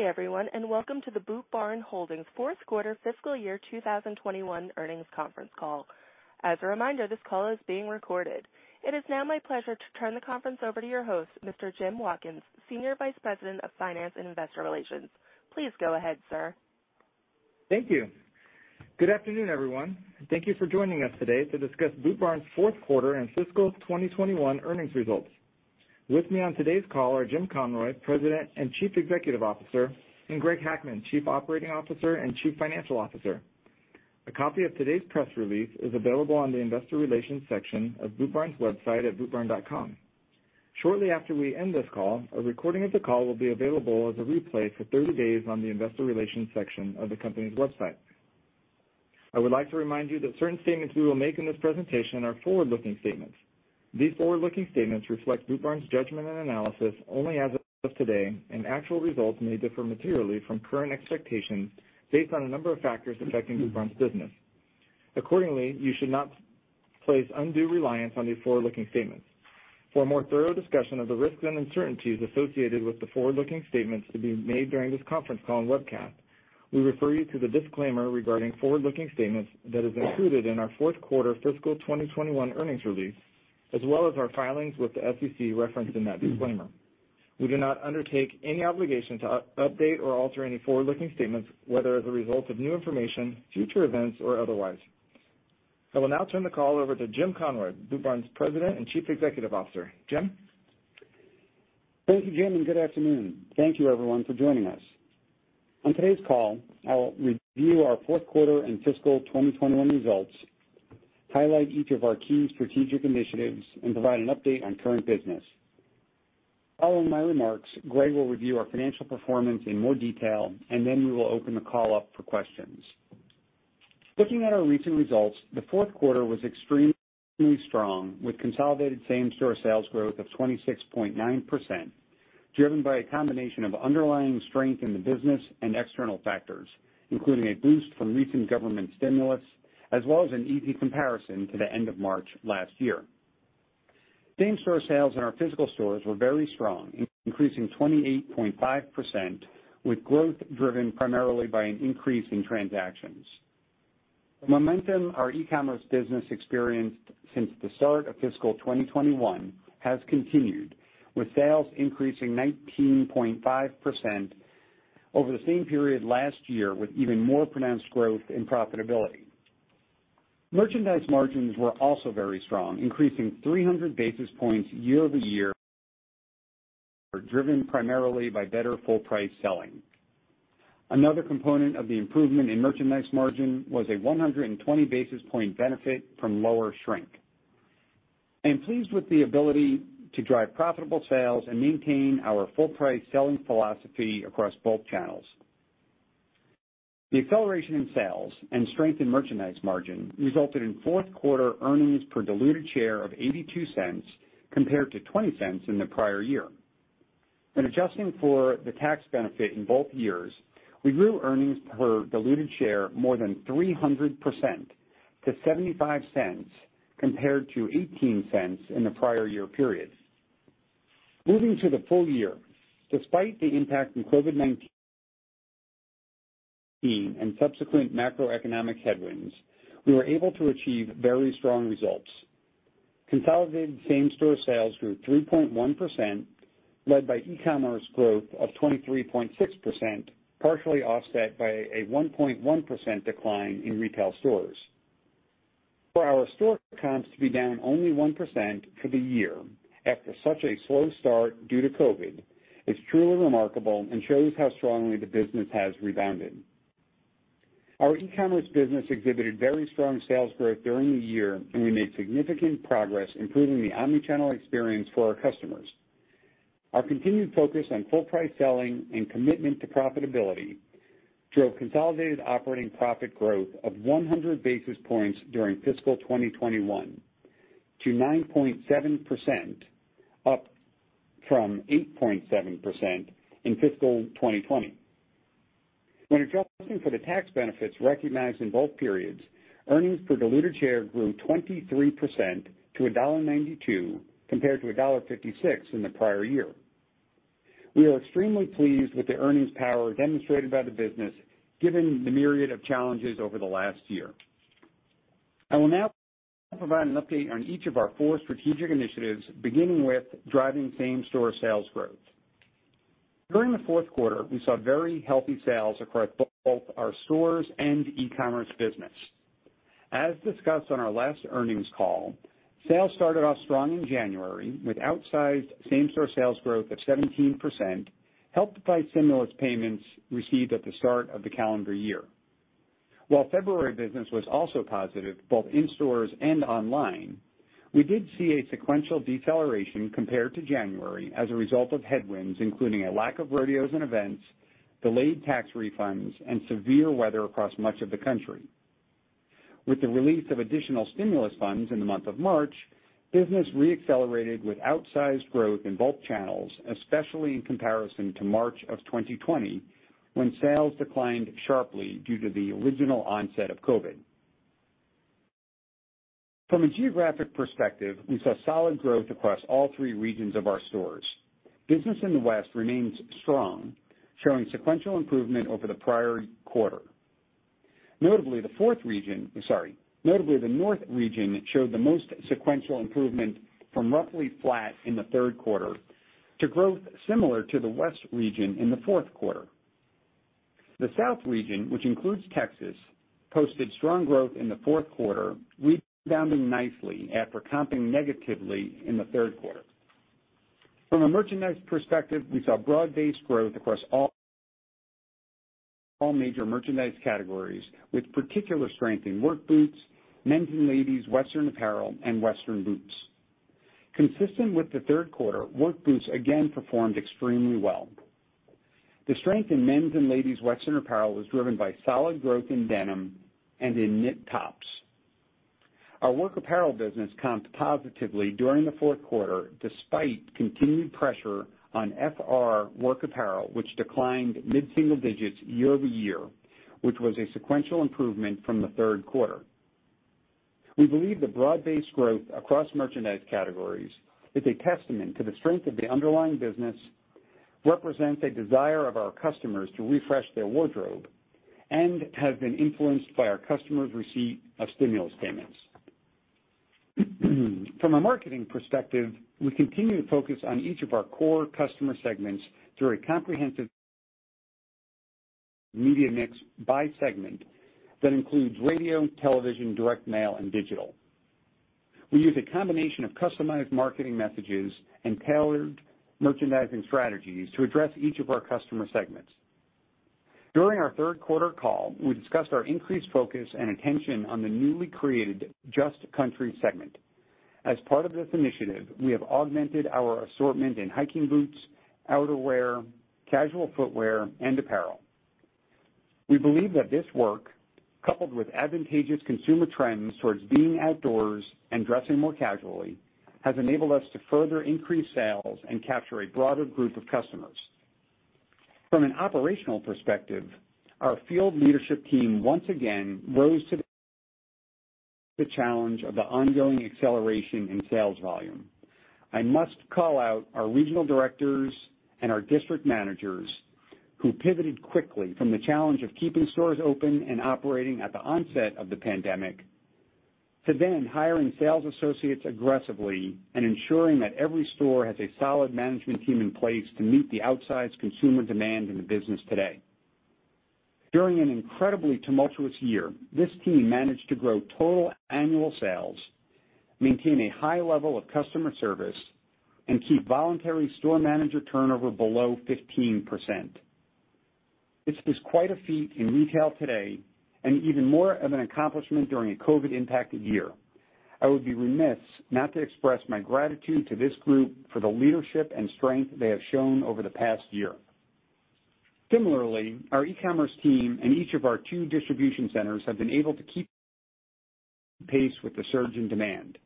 Good day everyone, and welcome to the Boot Barn Holdings Fourth Quarter Fiscal Year 2021 Earnings Conference Call. As a reminder, this call is being recorded. It is now my pleasure to turn the conference over to your host, Mr. Jim Watkins, Senior Vice President of Finance and Investor Relations. Please go ahead, sir. Thank you. Good afternoon, everyone. Thank you for joining us today to discuss Boot Barn's fourth quarter and fiscal 2021 earnings results. With me on today's call are Jim Conroy, President and Chief Executive Officer, and Greg Hackman, Chief Operating Officer and Chief Financial Officer. A copy of today's press release is available on the investor relations section of Boot Barn's website at bootbarn.com. Shortly after we end this call, a recording of the call will be available as a replay for 30 days on the investor relations section of the company's website. I would like to remind you that certain statements we will make in this presentation are forward-looking statements. These forward-looking statements reflect Boot Barn's judgment and analysis only as of today, and actual results may differ materially from current expectations based on a number of factors affecting Boot Barn's business. Accordingly, you should not place undue reliance on these forward-looking statements. For a more thorough discussion of the risks and uncertainties associated with the forward-looking statements to be made during this conference call and webcast, we refer you to the disclaimer regarding forward-looking statements that is included in our fourth quarter fiscal 2021 earnings release, as well as our filings with the SEC referenced in that disclaimer. We do not undertake any obligation to update or alter any forward-looking statements, whether as a result of new information, future events, or otherwise. I will now turn the call over to Jim Conroy, Boot Barn's President and Chief Executive Officer. Jim? Thank you, Jim, good afternoon. Thank you everyone for joining us. On today's call, I'll review our fourth quarter and fiscal 2021 results, highlight each of our key strategic initiatives, and provide an update on current business. Following my remarks, Greg will review our financial performance in more detail, then we will open the call up for questions. Looking at our recent results, the fourth quarter was extremely strong with consolidated same-store sales growth of 26.9%, driven by a combination of underlying strength in the business and external factors, including a boost from recent government stimulus as well as an easy comparison to the end of March last year. Same-store sales in our physical stores were very strong, increasing 28.5%, with growth driven primarily by an increase in transactions. The momentum our e-commerce business experienced since the start of fiscal 2021 has continued, with sales increasing 19.5% over the same period last year, with even more pronounced growth in profitability. Merchandise margins were also very strong, increasing 300 basis points year-over-year, driven primarily by better full price selling. Another component of the improvement in merchandise margin was a 120 basis point benefit from lower shrink. I am pleased with the ability to drive profitable sales and maintain our full price selling philosophy across both channels. The acceleration in sales and strength in merchandise margin resulted in fourth quarter earnings per diluted share of $0.82 compared to $0.20 in the prior year. When adjusting for the tax benefit in both years, we grew earnings per diluted share more than 300% to $0.75 compared to $0.18 in the prior year period. Moving to the full year, despite the impact of COVID-19 and subsequent macroeconomic headwinds, we were able to achieve very strong results. Consolidated same-store sales grew 3.1%, led by e-commerce growth of 23.6%, partially offset by a 1.1% decline in retail stores. For our store comps to be down only 1% for the year after such a slow start due to COVID is truly remarkable and shows how strongly the business has rebounded. Our e-commerce business exhibited very strong sales growth during the year, and we made significant progress improving the omnichannel experience for our customers. Our continued focus on full price selling and commitment to profitability drove consolidated operating profit growth of 100 basis points during fiscal 2021 to 9.7%, up from 8.7% in fiscal 2020. When adjusting for the tax benefits recognized in both periods, earnings per diluted share grew 23% to $1.92 compared to $1.56 in the prior year. We are extremely pleased with the earnings power demonstrated by the business, given the myriad of challenges over the last year. I will now provide an update on each of our four strategic initiatives, beginning with driving same-store sales growth. During the fourth quarter, we saw very healthy sales across both our stores and e-commerce business. As discussed on our last earnings call, sales started off strong in January with outsized same-store sales growth of 17%, helped by stimulus payments received at the start of the calendar year. While February business was also positive both in stores and online, we did see a sequential deceleration compared to January as a result of headwinds, including a lack of rodeos and events, delayed tax refunds, and severe weather across much of the country. With the release of additional stimulus funds in the month of March, business re-accelerated with outsized growth in both channels, especially in comparison to March of 2020, when sales declined sharply due to the original onset of COVID. From a geographic perspective, we saw solid growth across all three regions of our stores. Business in the West remains strong, showing sequential improvement over the prior quarter. Sorry. Notably, the North region showed the most sequential improvement from roughly flat in the third quarter to growth similar to the West region in the fourth quarter. The South region, which includes Texas, posted strong growth in the fourth quarter, rebounding nicely after comping negatively in the third quarter. From a merchandise perspective, we saw broad-based growth across all major merchandise categories, with particular strength in work boots, men's and ladies' western apparel, and western boots. Consistent with the third quarter, work boots again performed extremely well. The strength in men's and ladies' western apparel was driven by solid growth in denim and in knit tops. Our work apparel business comped positively during the fourth quarter, despite continued pressure on FR work apparel, which declined mid-single digits year-over-year, which was a sequential improvement from the third quarter. We believe the broad-based growth across merchandise categories is a testament to the strength of the underlying business, represents a desire of our customers to refresh their wardrobe, and has been influenced by our customers' receipt of stimulus payments. From a marketing perspective, we continue to focus on each of our core customer segments through a comprehensive media mix by segment that includes radio, television, direct mail, and digital. We use a combination of customized marketing messages and tailored merchandising strategies to address each of our customer segments. During our third quarter call, we discussed our increased focus and attention on the newly created Just Country segment. As part of this initiative, we have augmented our assortment in hiking boots, outerwear, casual footwear, and apparel. We believe that this work, coupled with advantageous consumer trends towards being outdoors and dressing more casually, has enabled us to further increase sales and capture a broader group of customers. From an operational perspective, our field leadership team once again rose to the challenge of the ongoing acceleration in sales volume. I must call out our regional directors and our district managers who pivoted quickly from the challenge of keeping stores open and operating at the onset of the pandemic to then hiring sales associates aggressively and ensuring that every store has a solid management team in place to meet the outsized consumer demand in the business today. During an incredibly tumultuous year, this team managed to grow total annual sales, maintain a high level of customer service, and keep voluntary store manager turnover below 15%. This was quite a feat in retail today, and even more of an accomplishment during a COVID-19-impacted year. I would be remiss not to express my gratitude to this group for the leadership and strength they have shown over the past year. Similarly, our e-commerce team and each of our two distribution centers have been able to keep pace with the surge in demand.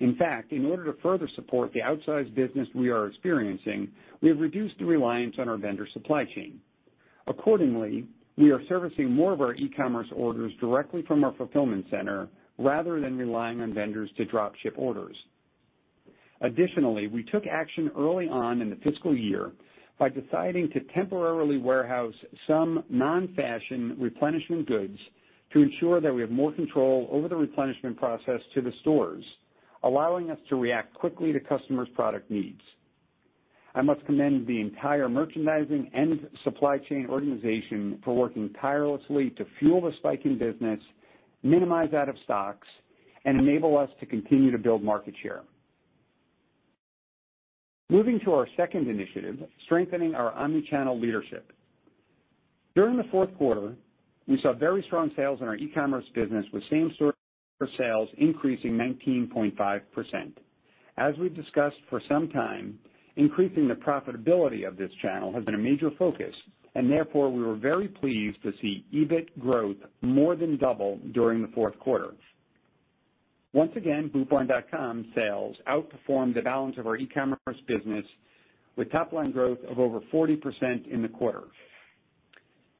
In fact, in order to further support the outsized business we are experiencing, we have reduced the reliance on our vendor supply chain. Accordingly, we are servicing more of our e-commerce orders directly from our fulfillment center rather than relying on vendors to drop ship orders. Additionally, we took action early on in the fiscal year by deciding to temporarily warehouse some non-fashion replenishment goods to ensure that we have more control over the replenishment process to the stores, allowing us to react quickly to customers' product needs. I must commend the entire merchandising and supply chain organization for working tirelessly to fuel the spike in business, minimize out of stocks, and enable us to continue to build market share. Moving to our second initiative, strengthening our omnichannel leadership. During the fourth quarter, we saw very strong sales in our e-commerce business, with same-store sales increasing 19.5%. As we've discussed for some time, increasing the profitability of this channel has been a major focus, and therefore, we were very pleased to see EBIT growth more than double during the fourth quarter. Once again, bootbarn.com sales outperformed the balance of our e-commerce business with top-line growth of over 40% in the quarter.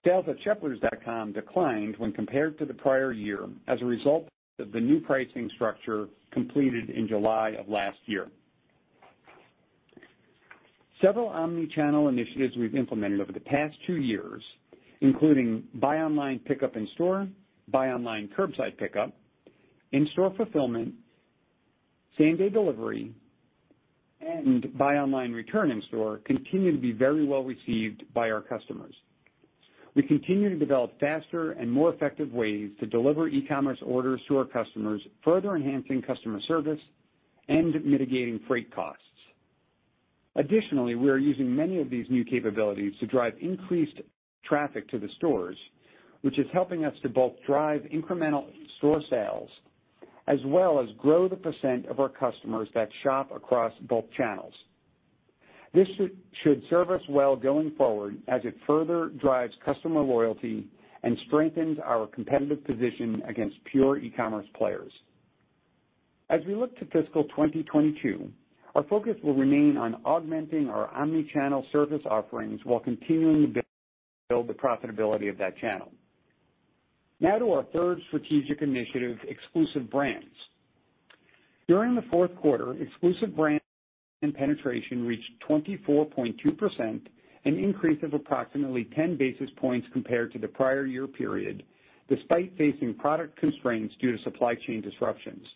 Sales at sheplers.com declined when compared to the prior year as a result of the new pricing structure completed in July of last year. Several omnichannel initiatives we've implemented over the past two years, including buy online pickup in store, buy online curbside pickup, in-store fulfillment, same-day delivery, and buy online return in store continue to be very well received by our customers. We continue to develop faster and more effective ways to deliver e-commerce orders to our customers, further enhancing customer service and mitigating freight costs. Additionally, we are using many of these new capabilities to drive increased traffic to the stores, which is helping us to both drive incremental store sales, as well as grow the percent of our customers that shop across both channels. This should serve us well going forward as it further drives customer loyalty and strengthens our competitive position against pure e-commerce players. As we look to fiscal 2022, our focus will remain on augmenting our omnichannel service offerings while continuing to build the profitability of that channel. To our third strategic initiative, exclusive brands. During the fourth quarter, exclusive brand penetration reached 24.2%, an increase of approximately 10 basis points compared to the prior year period, despite facing product constraints due to supply chain disruptions.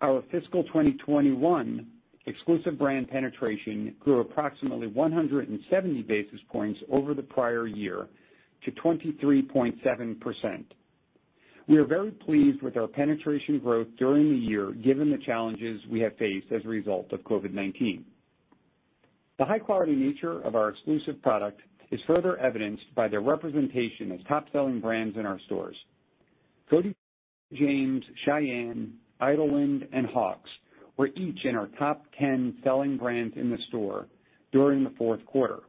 Our fiscal 2021 exclusive brand penetration grew approximately 170 basis points over the prior year to 23.7%. We are very pleased with our penetration growth during the year, given the challenges we have faced as a result of COVID-19. The high-quality nature of our exclusive product is further evidenced by their representation as top-selling brands in our stores. Cody James, Shyanne, Idyllwind, and Hawx were each in our top 10 selling brands in the store during the fourth quarter.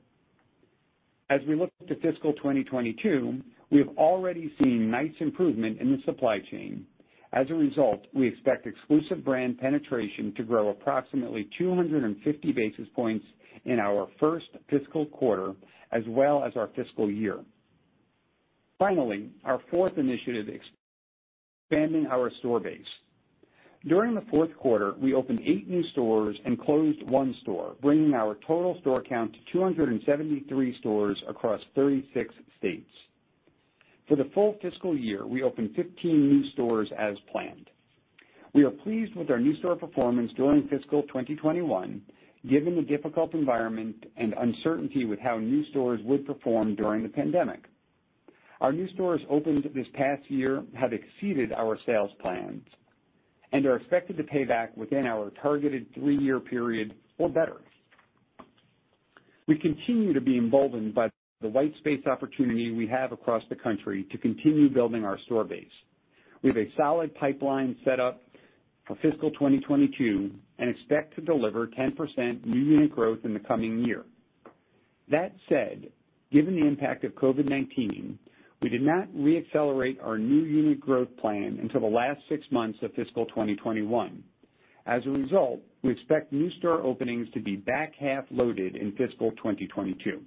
As we look to fiscal 2022, we have already seen nice improvement in the supply chain. As a result, we expect exclusive brand penetration to grow approximately 250 basis points in our first fiscal quarter, as well as our fiscal year. Finally, our fourth initiative, expanding our store base. During the fourth quarter, we opened eight new stores and closed one store, bringing our total store count to 273 stores across 36 states. For the full fiscal year, we opened 15 new stores as planned. We are pleased with our new store performance during fiscal 2021, given the difficult environment and uncertainty with how new stores would perform during the pandemic. Our new stores opened this past year have exceeded our sales plans and are expected to pay back within our targeted three-year period or better. We continue to be emboldened by the white space opportunity we have across the country to continue building our store base. We have a solid pipeline set up for fiscal 2022 and expect to deliver 10% new unit growth in the coming year. That said, given the impact of COVID-19, we did not re-accelerate our new unit growth plan until the last six months of fiscal 2021. As a result, we expect new store openings to be back-half loaded in fiscal 2022.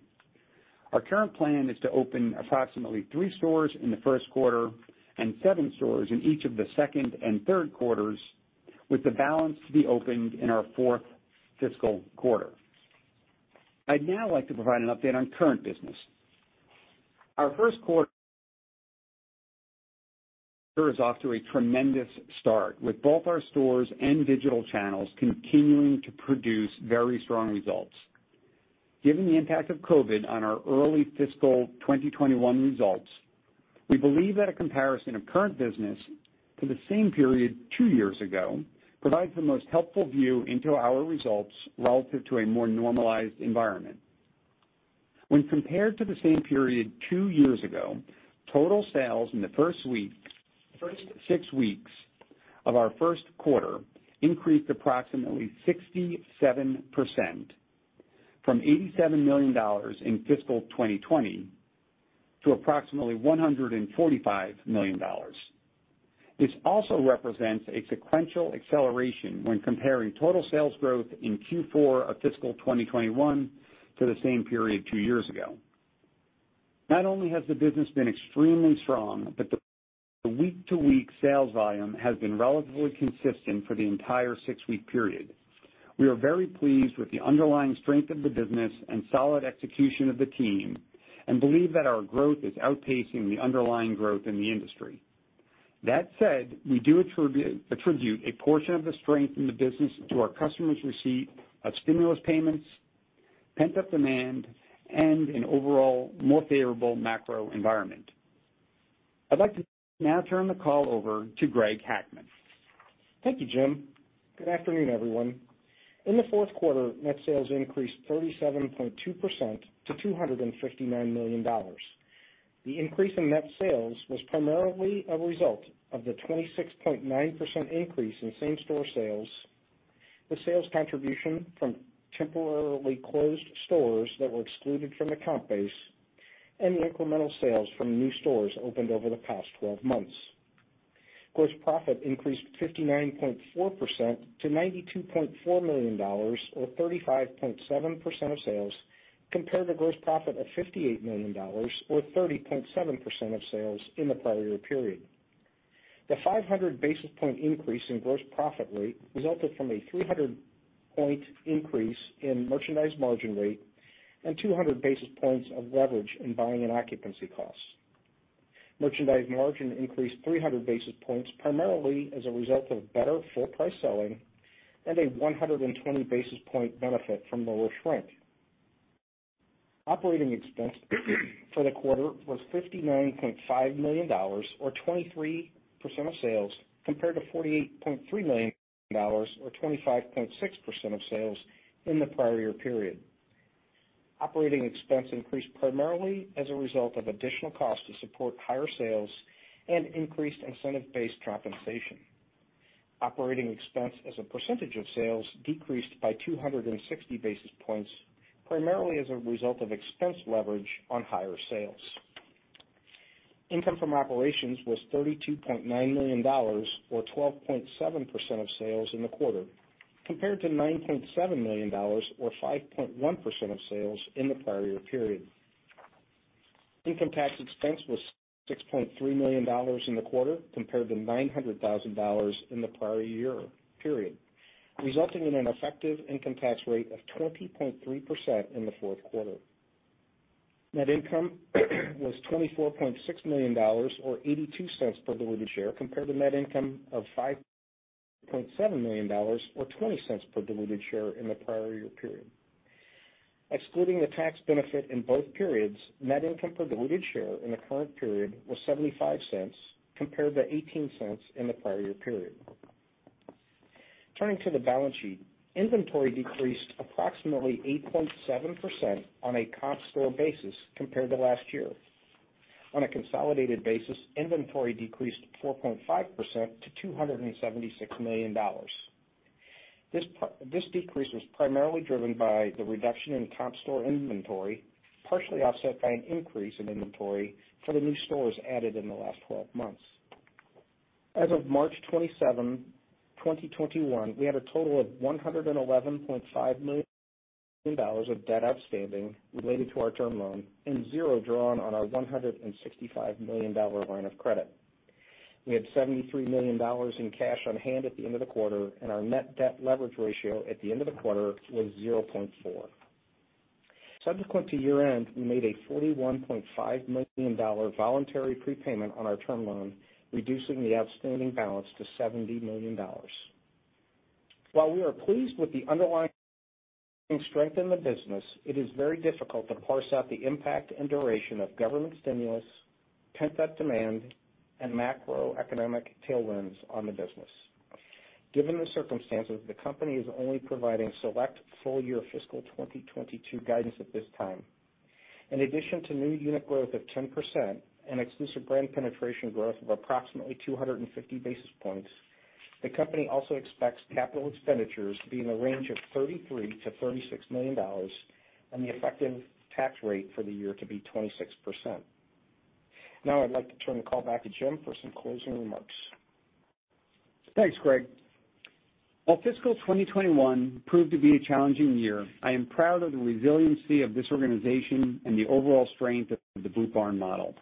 Our current plan is to open approximately three stores in the first quarter and seven stores in each of the second and third quarters, with the balance to be opened in our fourth fiscal quarter. I'd now like to provide an update on current business. Our first quarter is off to a tremendous start, with both our stores and digital channels continuing to produce very strong results. Given the impact of COVID-19 on our early fiscal 2021 results, we believe that a comparison of current business to the same period two years ago provides the most helpful view into our results relative to a more normalized environment. When compared to the same period two years ago, total sales in the first six weeks of our first quarter increased approximately 67%, from $87 million in fiscal 2020 to approximately $145 million. This also represents a sequential acceleration when comparing total sales growth in Q4 of fiscal 2021 to the same period two years ago. Not only has the business been extremely strong, but the week-to-week sales volume has been relatively consistent for the entire six-week period. We are very pleased with the underlying strength of the business and solid execution of the team, and believe that our growth is outpacing the underlying growth in the industry. That said, we do attribute a portion of the strength in the business to our customers' receipt of stimulus payments, pent-up demand, and an overall more favorable macro environment. I'd like to now turn the call over to Greg Hackman. Thank you, Jim. Good afternoon, everyone. In the fourth quarter, net sales increased 37.2% to $259 million. The increase in net sales was primarily a result of the 26.9% increase in same-store sales, the sales contribution from temporarily closed stores that were excluded from the count base, and the incremental sales from new stores opened over the past 12 months. Gross profit increased 59.4% to $92.4 million, or 35.7% of sales, compared to gross profit of $58 million, or 30.7% of sales in the prior year period. The 500 basis point increase in gross profit rate resulted from a 300 point increase in merchandise margin rate and 200 basis points of leverage in buying and occupancy costs. Merchandise margin increased 300 basis points primarily as a result of better full price selling and a 120 basis point benefit from lower shrink. Operating expense for the quarter was $59.5 million or 23% of sales, compared to $48.3 million or 25.6% of sales in the prior year period. Operating expense increased primarily as a result of additional cost to support higher sales and increased incentive-based compensation. Operating expense as a percentage of sales decreased by 260 basis points, primarily as a result of expense leverage on higher sales. Income from operations was $32.9 million, or 12.7% of sales in the quarter, compared to $9.7 million or 5.1% of sales in the prior year period. Income tax expense was $6.3 million in the quarter, compared to $900,000 in the prior year period, resulting in an effective income tax rate of 20.3% in the fourth quarter. Net income was $24.6 million or $0.82 per diluted share, compared to net income of $5.7 million or $0.20 per diluted share in the prior year period. Excluding the tax benefit in both periods, net income per diluted share in the current period was $0.75 compared to $0.18 in the prior year period. Turning to the balance sheet, inventory decreased approximately 8.7% on a comp store basis compared to last year. On a consolidated basis, inventory decreased 4.5% to $276 million. This decrease was primarily driven by the reduction in comp store inventory, partially offset by an increase in inventory for the new stores added in the last 12 months. As of March 27, 2021, we had a total of $111.5 million of debt outstanding related to our term loan and zero drawn on our $165 million line of credit. We had $73 million in cash on hand at the end of the quarter, and our net debt leverage ratio at the end of the quarter was 0.4. Subsequent to year end, we made a $41.5 million voluntary prepayment on our term loan, reducing the outstanding balance to $70 million. While we are pleased with the underlying strength in the business, it is very difficult to parse out the impact and duration of government stimulus, pent-up demand, and macroeconomic tailwinds on the business. Given the circumstances, the company is only providing select full year fiscal 2022 guidance at this time. In addition to new unit growth of 10% and exclusive brand penetration growth of approximately 250 basis points, the company also expects capital expenditures to be in the range of $33 million-$36 million, and the effective tax rate for the year to be 26%. I'd like to turn the call back to Jim for some closing remarks. Thanks, Greg. While fiscal 2021 proved to be a challenging year, I am proud of the resiliency of this organization and the overall strength of the Boot Barn model.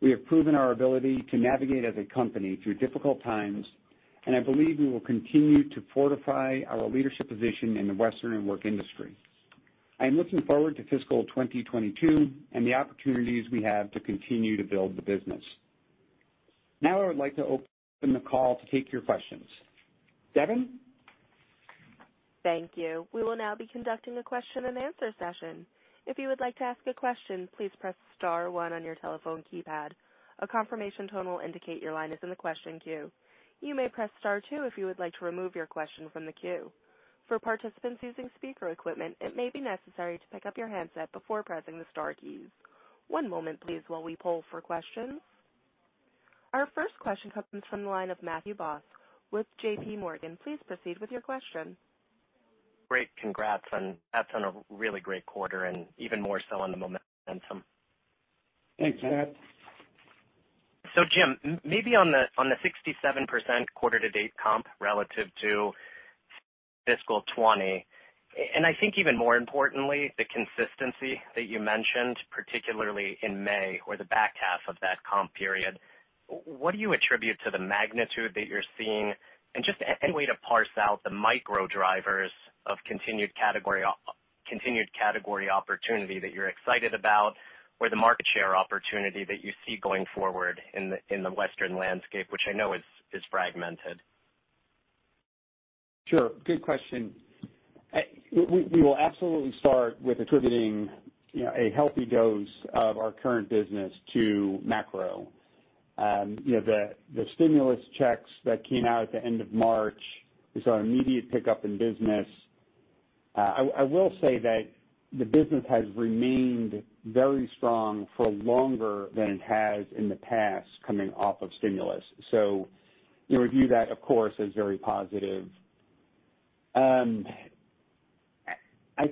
We have proven our ability to navigate as a company through difficult times, and I believe we will continue to fortify our leadership position in the western and work industry. I am looking forward to fiscal 2022 and the opportunities we have to continue to build the business. Now I would like to open the call to take your questions. Devin? Thank you. We will now be conducting a question-and-answer session. If you would like to ask a question, please press star one on your telephone keypad. A confirmation tone will indicate your line is in the question queue. You may press star two if you would like to remove your question from the queue. For participants using speaker equipment, it may be necessary to pick up your handset before pressing the star key. One moment, please, while we poll for questions. Our first question comes from the line of Matthew Boss with JPMorgan. Please proceed with your question. Great. Congrats on a really great quarter and even more so on the momentum. Thanks, Matt. Jim, maybe on the 67% quarter to date comp relative to fiscal 2020, I think even more importantly, the consistency that you mentioned, particularly in May or the back half of that comp period, what do you attribute to the magnitude that you're seeing? Just any way to parse out the micro drivers of continued category opportunity that you're excited about or the market share opportunity that you see going forward in the western landscape, which I know is fragmented. Sure. Good question. We will absolutely start with attributing a healthy dose of our current business to macro. The stimulus checks that came out at the end of March, we saw an immediate pickup in business. I will say that the business has remained very strong for longer than it has in the past coming off of stimulus. We view that, of course, as very positive. I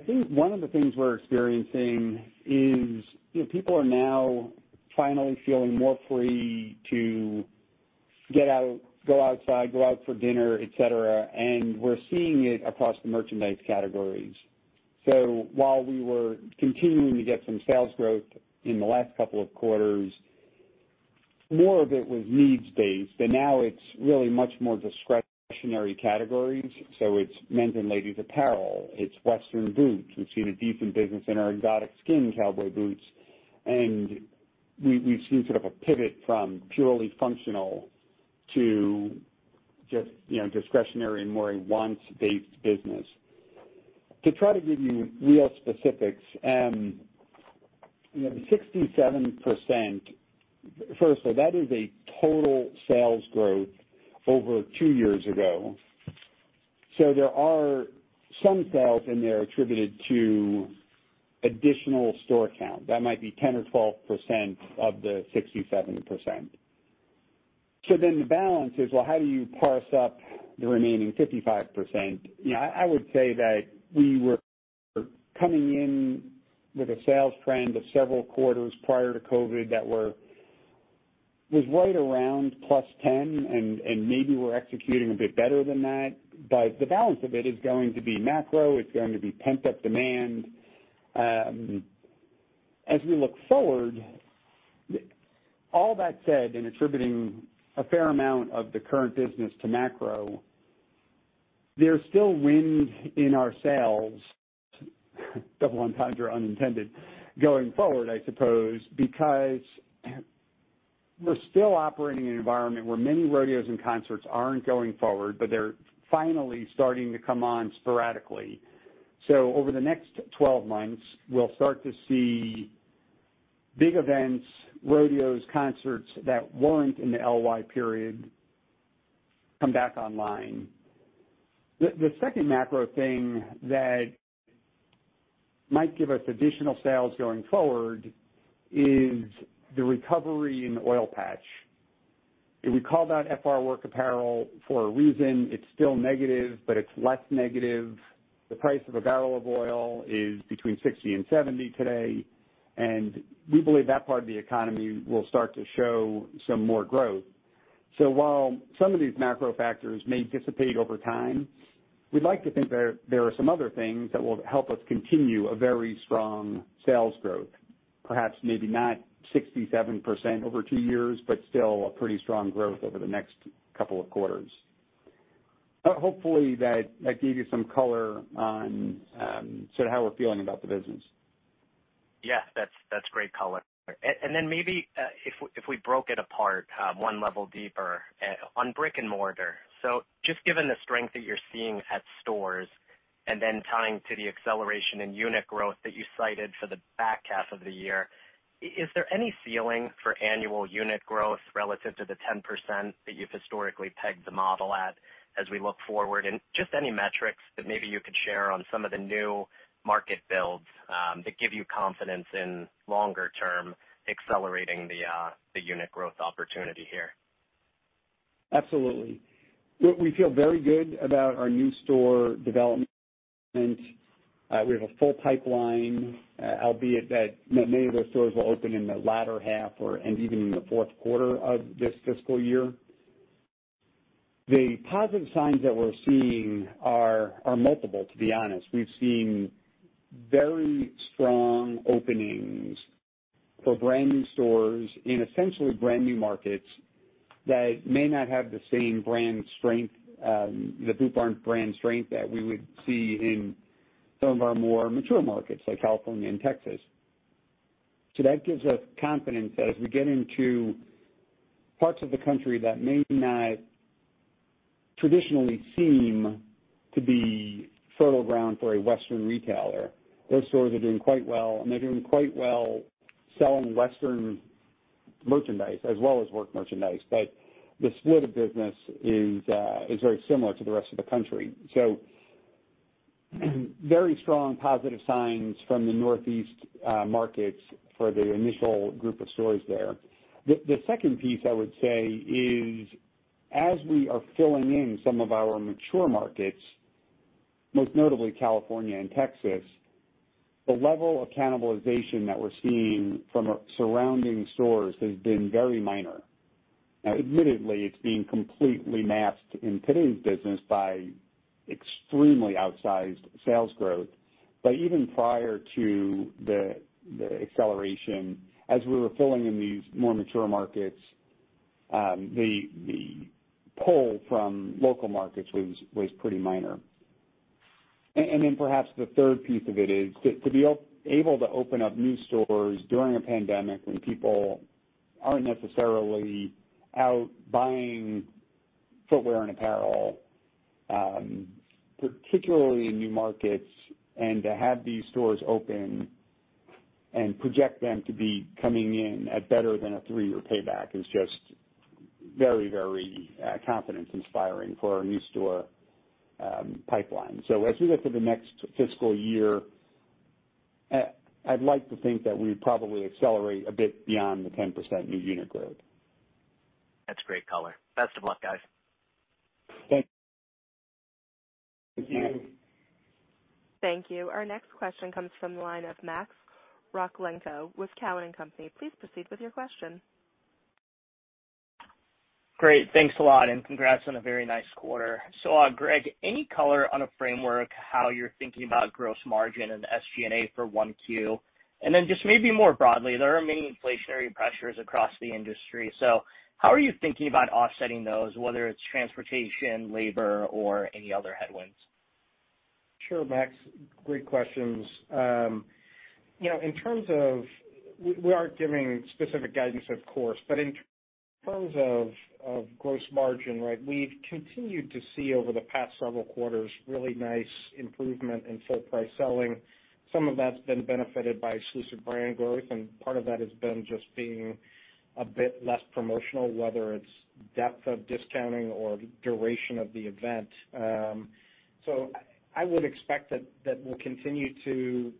think one of the things we're experiencing is people are now finally feeling more free to go outside, go out for dinner, et cetera, and we're seeing it across the merchandise categories. While we were continuing to get some sales growth in the last couple of quarters, more of it was needs-based, and now it's really much more discretionary categories. It's men's and ladies' apparel. It's western boots. We've seen a decent business in our exotic skin cowboy boots. We've seen sort of a pivot from purely functional to just discretionary and more a wants-based business. To try to give you real specifics, the 67%, first of all, that is a total sales growth over two years ago. There are some sales in there attributed to additional store count. That might be 10% or 12% of the 67%. The balance is, well, how do you parse up the remaining 55%? I would say that we were coming in with a sales trend of several quarters prior to COVID that was right around +10%, and maybe we're executing a bit better than that, but the balance of it is going to be macro. It's going to be pent-up demand. As we look forward, all that said, and attributing a fair amount of the current business to macro, there's still wind in our sails, double entendre unintended, going forward, I suppose, because we're still operating in an environment where many rodeos and concerts aren't going forward, but they're finally starting to come on sporadically. Over the next 12 months, we'll start to see big events, rodeos, concerts that weren't in the LY period come back online. The second macro thing that might give us additional sales going forward is the recovery in the oil patch. We call that FR work apparel for a reason. It's still negative, but it's less negative. The price of a barrel of oil is between $60-$70 today, and we believe that part of the economy will start to show some more growth. While some of these macro factors may dissipate over time, we'd like to think there are some other things that will help us continue a very strong sales growth. Perhaps maybe not 67% over two years, but still a pretty strong growth over the next couple of quarters. Hopefully, that gave you some color on how we're feeling about the business. Yeah, that's great color. Maybe, if we broke it apart one level deeper on brick and mortar. Just given the strength that you're seeing at stores and then tying to the acceleration in unit growth that you cited for the back half of the year, is there any ceiling for annual unit growth relative to the 10% that you've historically pegged the model at as we look forward? Just any metrics that maybe you could share on some of the new market builds that give you confidence in longer-term accelerating the unit growth opportunity here. Absolutely. We feel very good about our new store development. We have a full pipeline, albeit that many of those stores will open in the latter half or even in the fourth quarter of this fiscal year. The positive signs that we're seeing are multiple, to be honest. We've seen very strong openings for brand new stores in essentially brand new markets that may not have the same brand strength, the Boot Barn brand strength, that we would see in some of our more mature markets like California and Texas. That gives us confidence that as we get into parts of the country that may not traditionally seem to be fertile ground for a Western retailer, those stores are doing quite well, and they're doing quite well selling Western merchandise as well as work merchandise. The split of business is very similar to the rest of the country. Very strong positive signs from the Northeast markets for the initial group of stores there. The second piece I would say is as we are filling in some of our mature markets, most notably California and Texas, the level of cannibalization that we're seeing from our surrounding stores has been very minor. Now, admittedly, it's being completely masked in today's business by extremely outsized sales growth. Even prior to the acceleration, as we were filling in these more mature markets, the pull from local markets was pretty minor. Perhaps the third piece of it is to be able to open up new stores during a pandemic when people aren't necessarily out buying footwear and apparel, particularly in new markets, and to have these stores open and project them to be coming in at better than a three-year payback is just very confidence-inspiring for our new store pipeline. As we look to the next fiscal year, I'd like to think that we would probably accelerate a bit beyond the 10% new unit growth. That's great color. Best of luck, guys. Thanks. Thank you. Thank you. Our next question comes from the line of Max Rakhlenko with Cowen and Company. Please proceed with your question. Great. Thanks a lot. Congrats on a very nice quarter. Greg, any color on a framework how you're thinking about gross margin and SG&A for 1Q? Just maybe more broadly, there are many inflationary pressures across the industry. How are you thinking about offsetting those, whether it's transportation, labor, or any other headwinds? Sure, Max. Great questions. We aren't giving specific guidance, of course. In terms of gross margin, we've continued to see over the past several quarters, really nice improvement in full price selling. Some of that's been benefited by exclusive brand growth, and part of that has been just being a bit less promotional, whether it's depth of discounting or duration of the event. I would expect that we'll continue to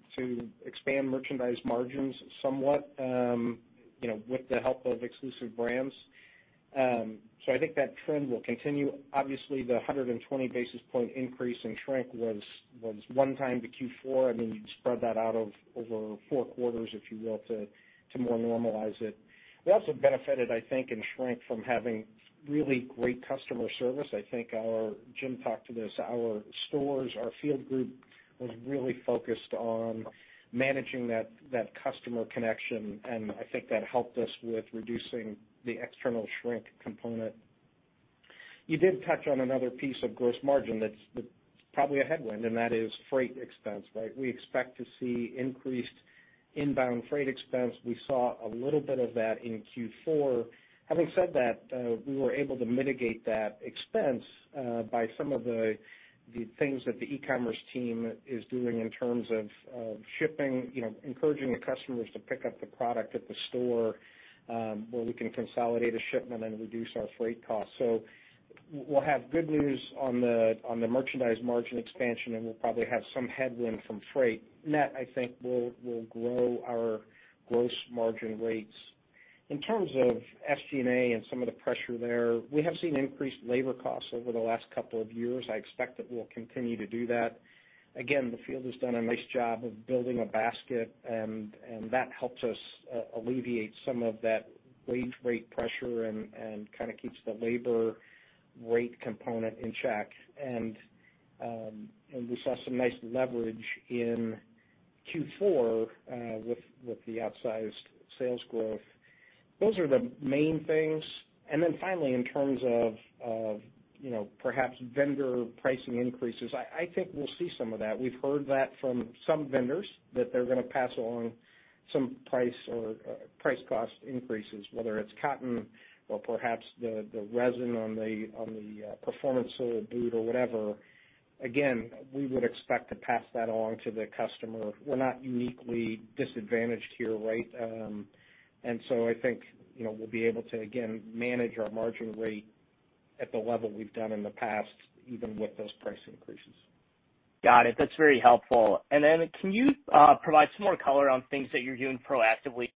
expand merchandise margins somewhat, with the help of exclusive brands. I think that trend will continue. Obviously, the 120 basis point increase in shrink was one time to Q4, and then you spread that out over four quarters, if you will, to more normalize it. We also benefited, I think, in shrink from having really great customer service. I think Jim talked to this. Our stores, our field group was really focused on managing that customer connection, and I think that helped us with reducing the external shrink component. You did touch on another piece of gross margin that's probably a headwind, and that is freight expense, right? We expect to see increased inbound freight expense. We saw a little bit of that in Q4. Having said that, we were able to mitigate that expense by some of the things that the e-commerce team is doing in terms of shipping, encouraging the customers to pick up the product at the store, where we can consolidate a shipment and reduce our freight costs. We'll have good news on the merchandise margin expansion, and we'll probably have some headwind from freight. Net, I think, will grow our gross margin rates. In terms of SG&A and some of the pressure there, we have seen increased labor costs over the last couple of years. I expect that we'll continue to do that. Again, the field has done a nice job of building a basket, and that helps us alleviate some of that wage rate pressure and kind of keeps the labor rate component in check. We saw some nice leverage in Q4 with the outsized sales growth. Those are the main things. Finally, in terms of perhaps vendor pricing increases, I think we'll see some of that. We've heard that from some vendors that they're going to pass along some price or price cost increases, whether it's cotton or perhaps the resin on the performance sole boot or whatever. Again, we would expect to pass that on to the customer. We're not uniquely disadvantaged here, right? I think we'll be able to, again, manage our margin rate at the level we've done in the past, even with those price increases. Got it. That's very helpful. Can you provide some more color on things that you're doing proactively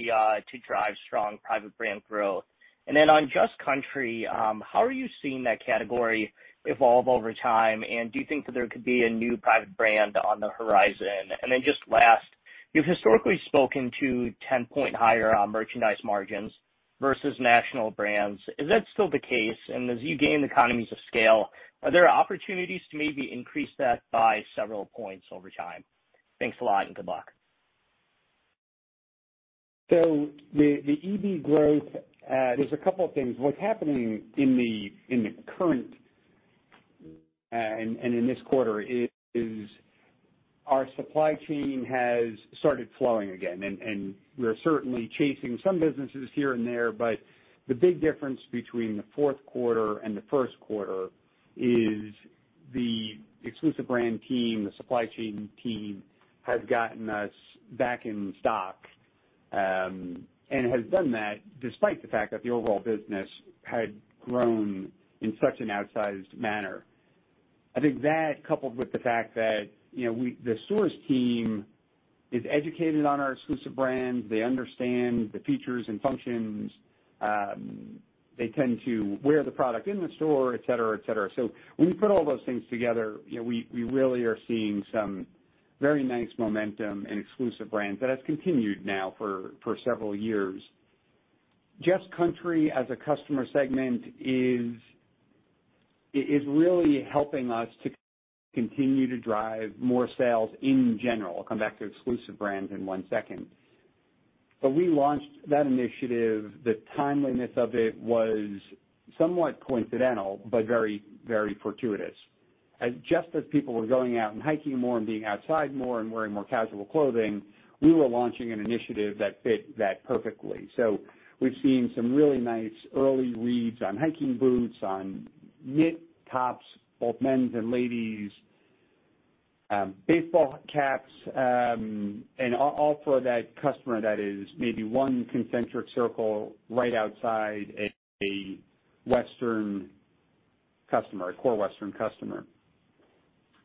to drive strong private brand growth? On Just Country, how are you seeing that category evolve over time? Do you think that there could be a new private brand on the horizon? Just last, you've historically spoken to 10-point higher on merchandise margins versus national brands. Is that still the case? As you gain economies of scale, are there opportunities to maybe increase that by several points over time? Thanks a lot, and good luck. The EB growth, there's a couple of things. What's happening in the current and in this quarter is our supply chain has started flowing again, and we're certainly chasing some businesses here and there. The big difference between the fourth quarter and the first quarter is the exclusive brand team, the supply chain team, has gotten us back in stock. Has done that despite the fact that the overall business had grown in such an outsized manner. I think that coupled with the fact that the store team is educated on our exclusive brands, they understand the features and functions, they tend to wear the product in the store, et cetera. When you put all those things together, we really are seeing some very nice momentum in exclusive brands that has continued now for several years. Just Country as a customer segment is really helping us to continue to drive more sales in general. I'll come back to exclusive brands in one second. We launched that initiative. The timeliness of it was somewhat coincidental but very fortuitous. Just as people were going out and hiking more and being outside more and wearing more casual clothing, we were launching an initiative that fit that perfectly. We've seen some really nice early reads on hiking boots, on knit tops, both men's and ladies', baseball caps, and all for that customer that is maybe one concentric circle right outside a core Western customer.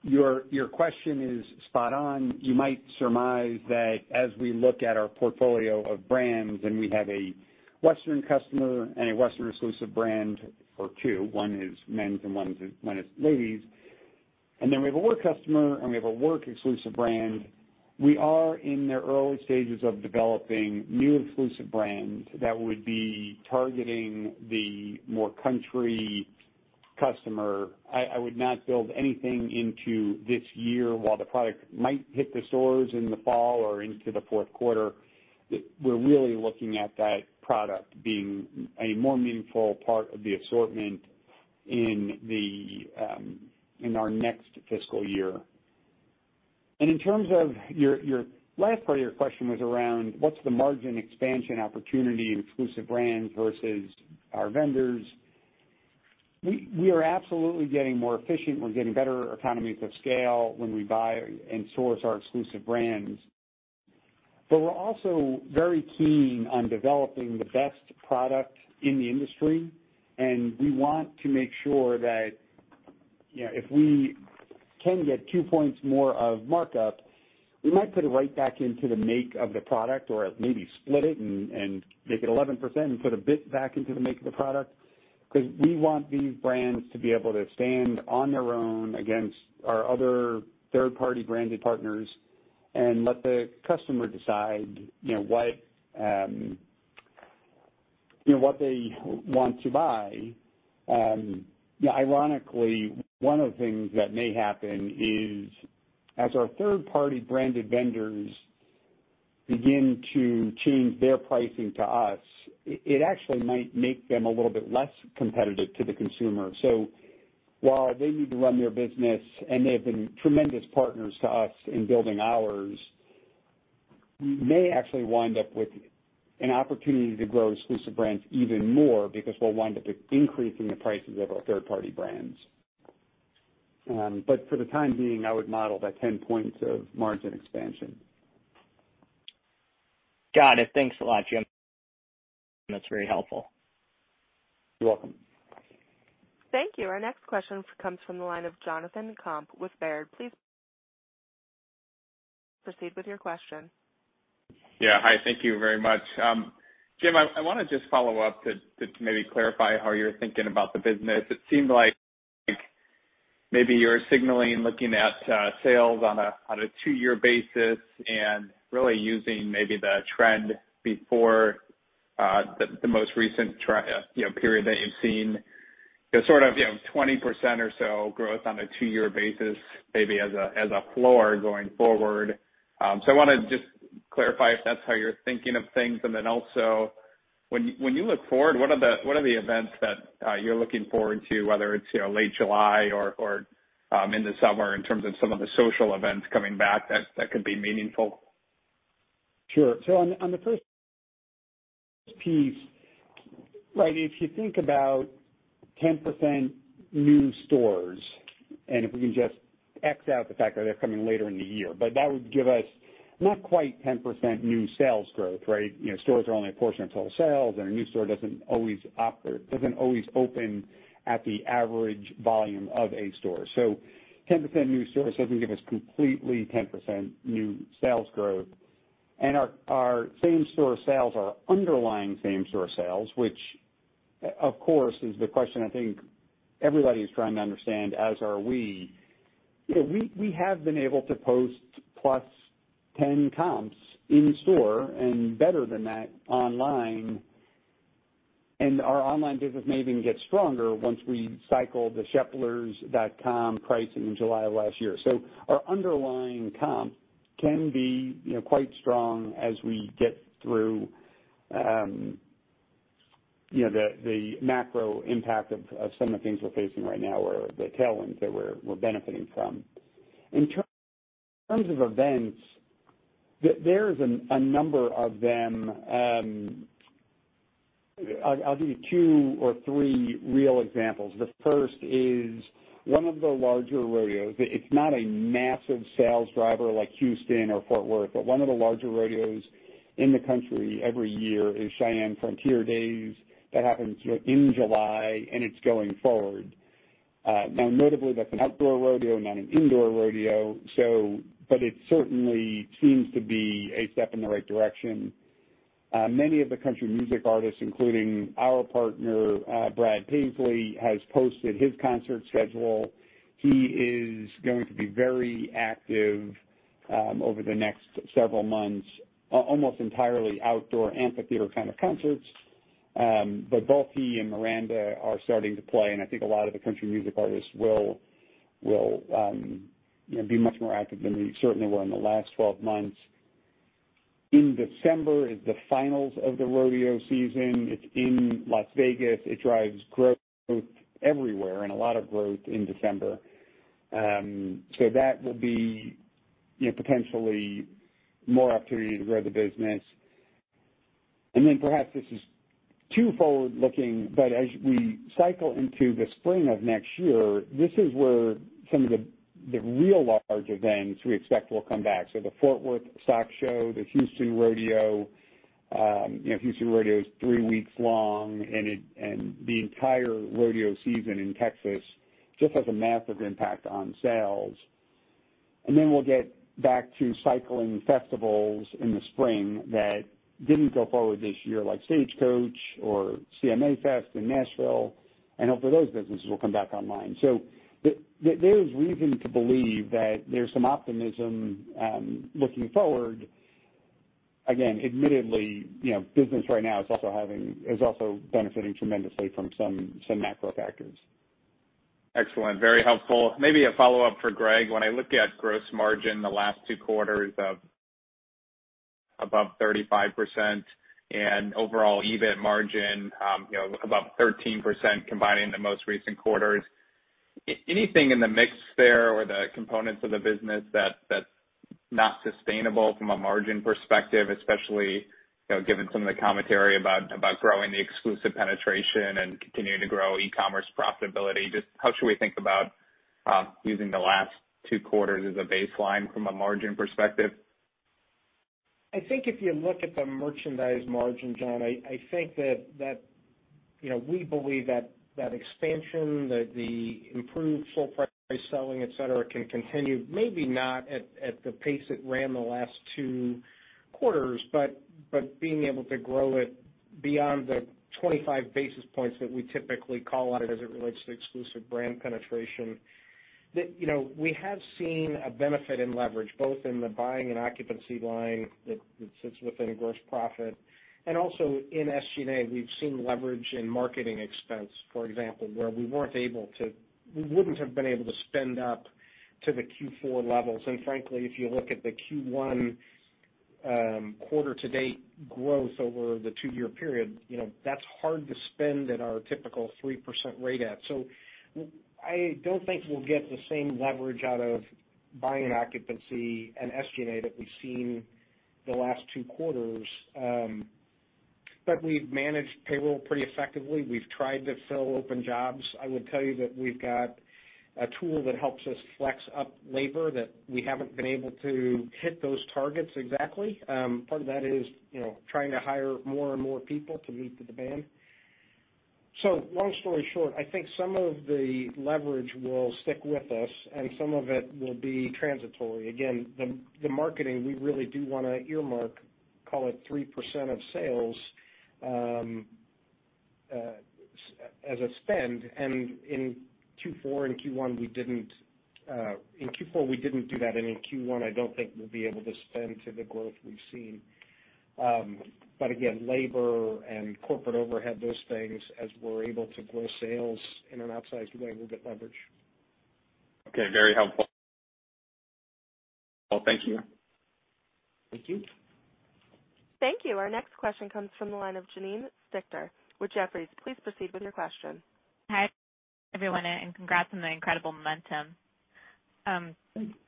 Your question is spot on. You might surmise that as we look at our portfolio of brands and we have a Western customer and a Western exclusive brand or two, one is men's and one is ladies', and then we have a work customer and we have a work exclusive brand. We are in the early stages of developing new exclusive brands that would be targeting the more country customer. I would not build anything into this year. While the product might hit the stores in the fall or into the fourth quarter, we're really looking at that product being a more meaningful part of the assortment in our next fiscal year. In terms of your last part of your question was around what's the margin expansion opportunity in exclusive brands versus our vendors. We are absolutely getting more efficient. We're getting better economies of scale when we buy and source our exclusive brands. We're also very keen on developing the best product in the industry, and we want to make sure that. If we can get two points more of markup, we might put it right back into the make of the product, or maybe split it and make it 11% and put a bit back into the make of the product. Because we want these brands to be able to stand on their own against our other third party branded partners and let the customer decide what they want to buy. Ironically, one of the things that may happen is, as our third party branded vendors begin to change their pricing to us, it actually might make them a little bit less competitive to the consumer. While they need to run their business, and they have been tremendous partners to us in building ours, we may actually wind up with an opportunity to grow exclusive brands even more because we'll wind up increasing the prices of our third party brands. For the time being, I would model that 10 points of margin expansion. Got it. Thanks a lot, Jim. That's very helpful. You're welcome. Thank you. Our next question comes from the line of Jonathan Komp with Baird. Please proceed with your question. Hi, thank you very much. Jim, I want to just follow up to maybe clarify how you're thinking about the business. It seemed like maybe you're signaling looking at sales on a two-year basis and really using maybe the trend before the most recent period that you've seen, sort of 20% or so growth on a two-year basis, maybe as a floor going forward. I want to just clarify if that's how you're thinking of things. Also, when you look forward, what are the events that you're looking forward to, whether it's late July or in the summer in terms of some of the social events coming back that could be meaningful? Sure. On the first piece, if you think about 10% new stores, and if we can just X out the fact that they're coming later in the year, but that would give us not quite 10% new sales growth, right? Stores are only a portion of total sales, and a new store doesn't always open at the average volume of a store. 10% new stores doesn't give us completely 10% new sales growth. Our same store sales, our underlying same store sales, which of course is the question I think everybody is trying to understand, as are we. We have been able to post plus 10 comps in store and better than that online. Our online business may even get stronger once we cycle the sheplers.com pricing in July of last year. Our underlying comp can be quite strong as we get through the macro impact of some of the things we're facing right now, or the tailwinds that we're benefiting from. In terms of events, there is a number of them. I'll give you two or three real examples. The first is one of the larger rodeos. It's not a massive sales driver like Houston or Fort Worth, but one of the larger rodeos in the country every year is Cheyenne Frontier Days. That happens in July, and it's going forward. Notably, that's an outdoor rodeo, not an indoor rodeo, but it certainly seems to be a step in the right direction. Many of the country music artists, including our partner, Brad Paisley, has posted his concert schedule. He is going to be very active over the next several months, almost entirely outdoor amphitheater kind of concerts. Both he and Miranda are starting to play, and I think a lot of the country music artists will be much more active than they certainly were in the last 12 months. In December is the finals of the rodeo season. It's in Las Vegas. It drives growth everywhere and a lot of growth in December. That will be potentially more opportunity to grow the business. Perhaps this is too forward-looking, but as we cycle into the spring of next year, this is where some of the real large events we expect will come back. The Fort Worth Stock Show, the Houston Rodeo. Houston Rodeo is three weeks long, and the entire rodeo season in Texas just has a massive impact on sales. We'll get back to cycling festivals in the spring that didn't go forward this year, like Stagecoach or CMA Fest in Nashville. Hopefully, those businesses will come back online. There is reason to believe that there's some optimism looking forward. Again, admittedly, business right now is also benefiting tremendously from some macro factors. Excellent. Very helpful. Maybe a follow-up for Greg. When I look at gross margin, the last two quarters of above 35% and overall EBIT margin above 13%, combining the most recent quarters. Anything in the mix there or the components of the business that's not sustainable from a margin perspective, especially given some of the commentary about growing the exclusive penetration and continuing to grow e-commerce profitability? Just how should we think about using the last two quarters as a baseline from a margin perspective? I think if you look at the merchandise margin, Jonathan, I think that we believe that expansion, the improved full price selling, et cetera, can continue. Maybe not at the pace it ran the last two quarters, but being able to grow it beyond the 25 basis points that we typically call out as it relates to exclusive brand penetration. That we have seen a benefit in leverage both in the buying and occupancy line that sits within gross profit, and also in SG&A, we've seen leverage in marketing expense, for example, where we wouldn't have been able to spend up to the Q4 levels. Frankly, if you look at the Q1 quarter to date growth over the two year period, that's hard to spend at our typical 3% rate at. I don't think we'll get the same leverage out of buying occupancy and SG&A that we've seen the last two quarters. We've managed payroll pretty effectively. We've tried to fill open jobs. I would tell you that we've got a tool that helps us flex up labor, that we haven't been able to hit those targets exactly. Part of that is, trying to hire more and more people to meet the demand. Long story short, I think some of the leverage will stick with us and some of it will be transitory. Again, the marketing, we really do want to earmark, call it 3% of sales as a spend. In Q4 and Q1, we didn't. In Q4 we didn't do that, and in Q1, I don't think we'll be able to spend to the growth we've seen. Again, labor and corporate overhead, those things, as we're able to grow sales in an outsized way, we'll get leverage. Okay. Very helpful. Thank you. Thank you. Thank you. Our next question comes from the line of Janine Stichter with Jefferies. Please proceed with your question. Hi, everyone, congrats on the incredible momentum. I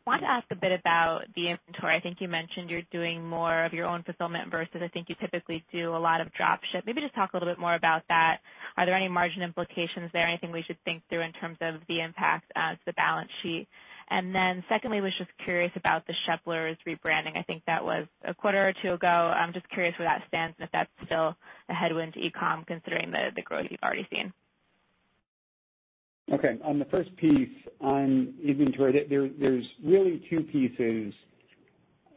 wanted to ask a bit about the inventory. I think you mentioned you're doing more of your own fulfillment versus I think you typically do a lot of drop ship. Maybe just talk a little bit more about that. Are there any margin implications there? Anything we should think through in terms of the impact to the balance sheet? Secondly, I was just curious about the Sheplers rebranding. I think that was a quarter or two ago. I'm just curious where that stands and if that's still a headwind to e-com considering the growth you've already seen. On the first piece on inventory, there's really two pieces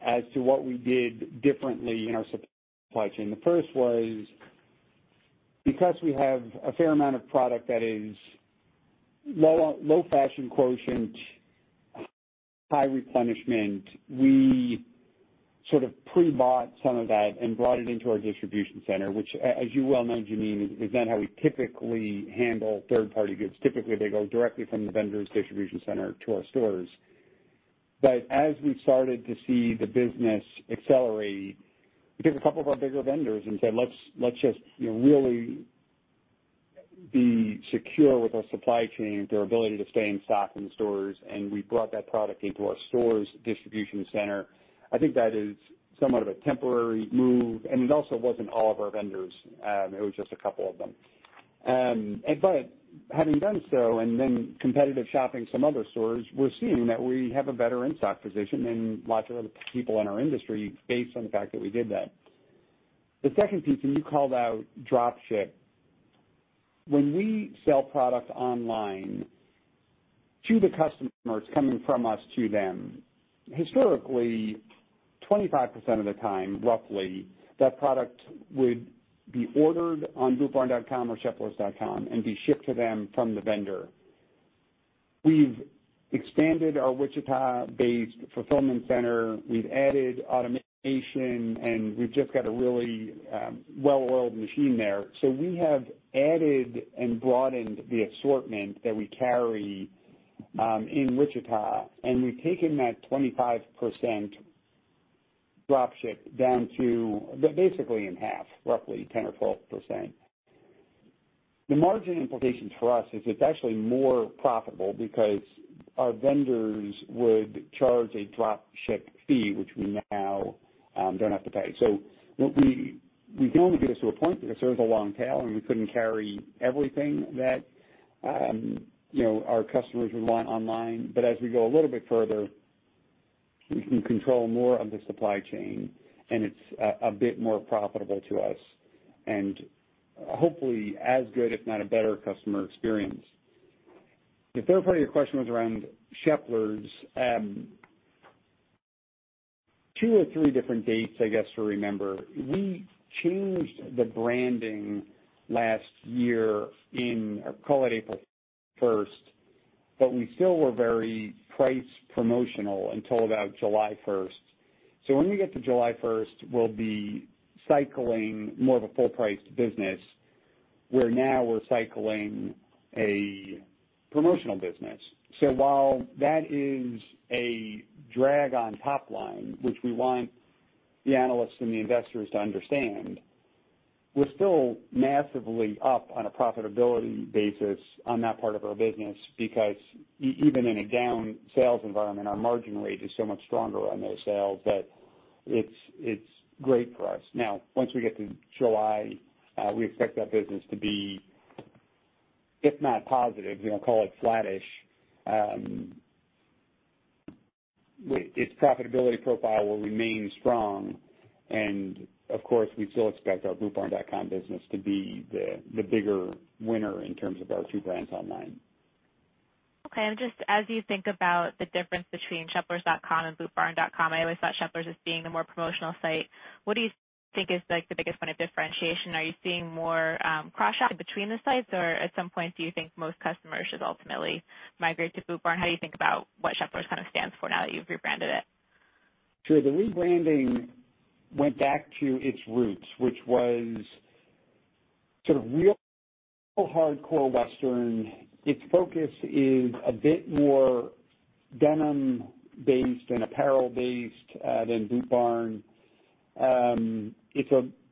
as to what we did differently in our supply chain. The first was because we have a fair amount of product that is low fashion quotient, high replenishment, we sort of pre-bought some of that and brought it into our distribution center, which as you well know, Janine, is not how we typically handle third party goods. Typically, they go directly from the vendor's distribution center to our stores. As we started to see the business accelerate, we took a couple of our bigger vendors and said, "Let's just really be secure with our supply chain, their ability to stay in stock in stores," and we brought that product into our stores distribution center. I think that is somewhat of a temporary move, and it also wasn't all of our vendors. It was just a couple of them. Having done so and then competitive shopping some other stores, we're seeing that we have a better in-stock position than lots of other people in our industry based on the fact that we did that. The second piece, you called out drop ship. When we sell product online to the customers coming from us to them, historically, 25% of the time, roughly, that product would be ordered on bootbarn.com or sheplers.com and be shipped to them from the vendor. We've expanded our Wichita based fulfillment center. We've added automation, and we've just got a really well-oiled machine there. We have added and broadened the assortment that we carry in Wichita, and we've taken that 25% drop ship down to basically in half, roughly 10% or 12%. The margin implication for us is it's actually more profitable because our vendors would charge a drop ship fee, which we now don't have to pay. We can only get us to a point because there is a long tail and we couldn't carry everything that our customers would want online. As we go a little bit further, we can control more of the supply chain and it's a bit more profitable to us and hopefully as good if not a better customer experience. The third part of your question was around Sheplers. Two or three different dates, I guess, to remember. We changed the branding last year in, call it April 1st, we still were very price promotional until about July 1st. When we get to July 1st, we'll be cycling more of a full priced business, where now we're cycling a promotional business. While that is a drag on top line, which we want the analysts and the investors to understand, we're still massively up on a profitability basis on that part of our business because even in a down sales environment, our margin rate is so much stronger on those sales that it's great for us. Once we get to July, we expect that business to be if not positive, we're going to call it flattish. Its profitability profile will remain strong, of course, we still expect our bootbarn.com business to be the bigger winner in terms of our two brands online. Okay. Just as you think about the difference between sheplers.com and bootbarn.com, I always thought Sheplers as being the more promotional site. What do you think is the biggest point of differentiation? Are you seeing more cross shopping between the sites, or at some point, do you think most customers should ultimately migrate to Boot Barn? How do you think about what Sheplers kind of stands for now that you've rebranded it? Sure. The rebranding went back to its roots, which was sort of real hardcore Western. Its focus is a bit more denim based and apparel based than Boot Barn.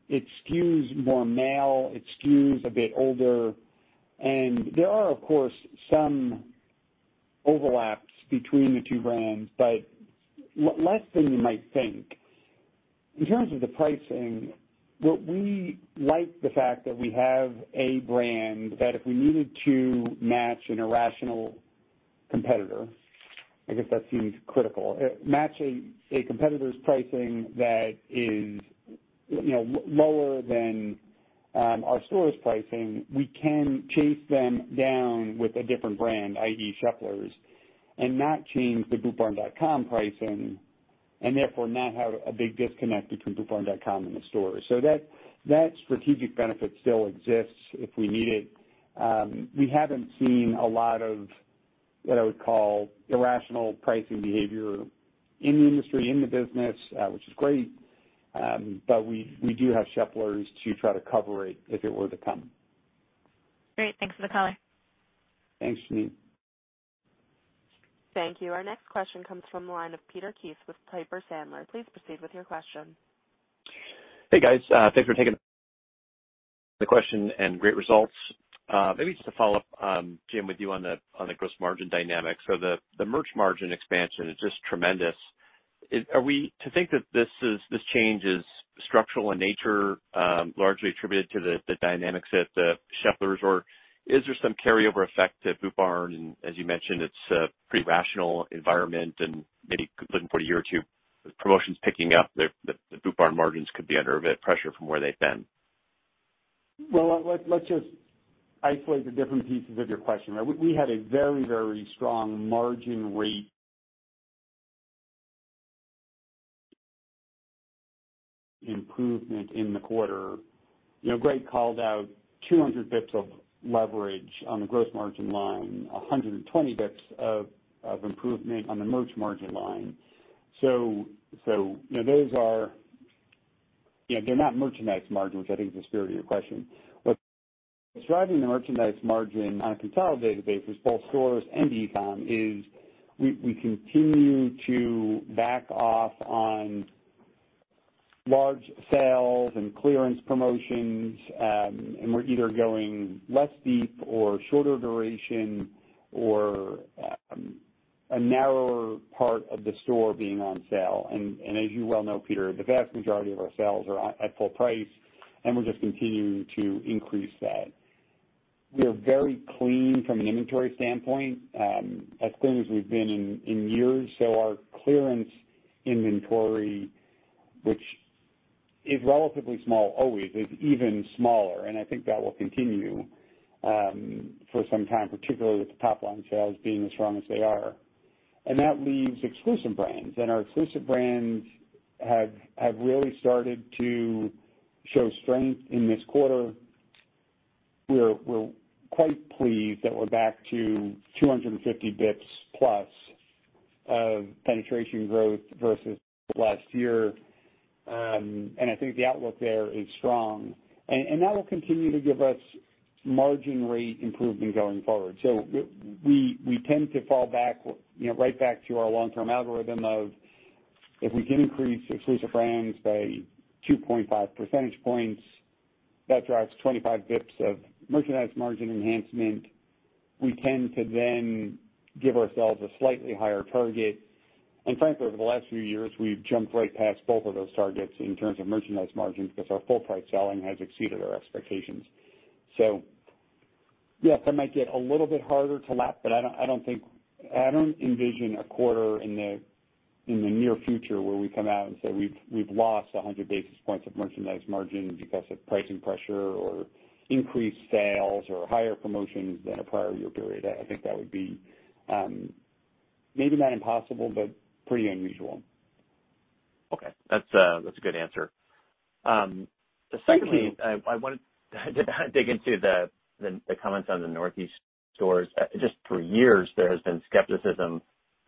It skews more male, it skews a bit older. There are, of course, some overlaps between the two brands, but less than you might think. In terms of the pricing, what we like the fact that we have a brand that if we needed to match an irrational competitor, I guess that seems critical. Match a competitor's pricing that is lower than our store's pricing, we can chase them down with a different brand, i.e. Sheplers, and not change the bootbarn.com pricing, and therefore not have a big disconnect between bootbarn.com and the store. That strategic benefit still exists if we need it. We haven't seen a lot of, what I would call irrational pricing behavior in the industry, in the business, which is great. We do have Sheplers to try to cover it if it were to come. Great. Thanks for the color. Thanks, Janine. Thank you. Our next question comes from the line of Peter Keith with Piper Sandler. Please proceed with your question. Hey, guys. Thanks for taking the question and great results. Maybe just to follow up, Jim, with you on the gross margin dynamics. The merch margin expansion is just tremendous. To think that this change is structural in nature, largely attributed to the dynamics at Sheplers, or is there some carryover effect at Boot Barn? As you mentioned, it's a pretty rational environment and maybe looking for a year or two with promotions picking up, the Boot Barn margins could be under a bit pressure from where they've been. Well, let's just isolate the different pieces of your question. We had a very strong margin rate improvement in the quarter. Greg called out 200 basis points of leverage on the gross margin line, 120 basis points of improvement on the merch margin line. They're not merchandise margin, which I think is the spirit of your question. What's driving the merchandise margin on a consolidated basis, both stores and e-com, is we continue to back off on large sales and clearance promotions, and we're either going less deep or shorter duration or a narrower part of the store being on sale. As you well know, Peter, the vast majority of our sales are at full price, and we're just continuing to increase that. We are very clean from an inventory standpoint, as clean as we've been in years. Our clearance inventory, which is relatively small always, is even smaller, and I think that will continue for some time, particularly with the top-line sales being as strong as they are. That leaves exclusive brands. Our exclusive brands have really started to show strength in this quarter. We're quite pleased that we're back to 250 basis points plus of penetration growth versus last year. I think the outlook there is strong, and that will continue to give us margin rate improvement going forward. We tend to fall back, right back to our long-term algorithm of, if we can increase exclusive brands by 2.5 percentage points, that drives 25 basis points of merchandise margin enhancement. We tend to then give ourselves a slightly higher target. Frankly, over the last few years, we've jumped right past both of those targets in terms of merchandise margin because our full price selling has exceeded our expectations. Yes, that might get a little bit harder to lap, but I don't envision a quarter in the near future where we come out and say we've lost 100 basis points of merchandise margin because of pricing pressure or increased sales or higher promotions than a prior year period. I think that would be, maybe not impossible, but pretty unusual. Okay. That's a good answer. Thank you. Secondly, I wanted to dig into the comments on the Northeast stores. Just for years, there has been skepticism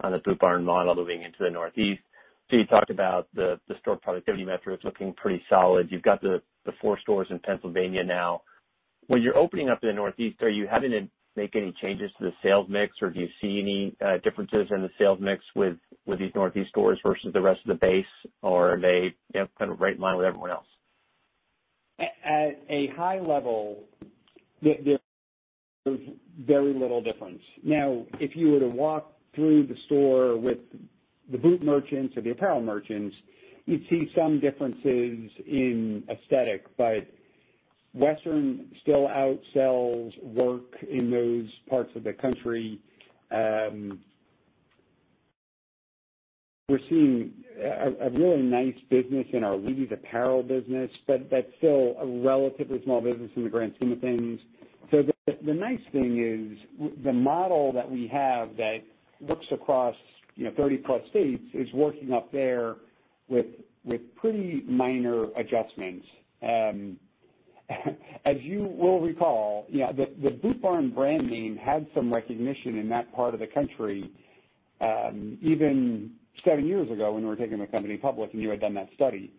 on the Boot Barn model moving into the Northeast. You talked about the store productivity metrics looking pretty solid. You've got the four stores in Pennsylvania now. When you're opening up the Northeast, are you having to make any changes to the sales mix, or do you see any differences in the sales mix with these Northeast stores versus the rest of the base? Are they kind of right in line with everyone else? At a high level, there's very little difference. Now, if you were to walk through the store with the boot merchants or the apparel merchants, you'd see some differences in aesthetic, but Western still outsells work in those parts of the country. We're seeing a really nice business in our ladies apparel business, but that's still a relatively small business in the grand scheme of things. The nice thing is, the model that we have that looks across 30-plus states is working up there with pretty minor adjustments. As you will recall, the Boot Barn brand name had some recognition in that part of the country, even seven years ago when we were taking the company public, and you had done that study.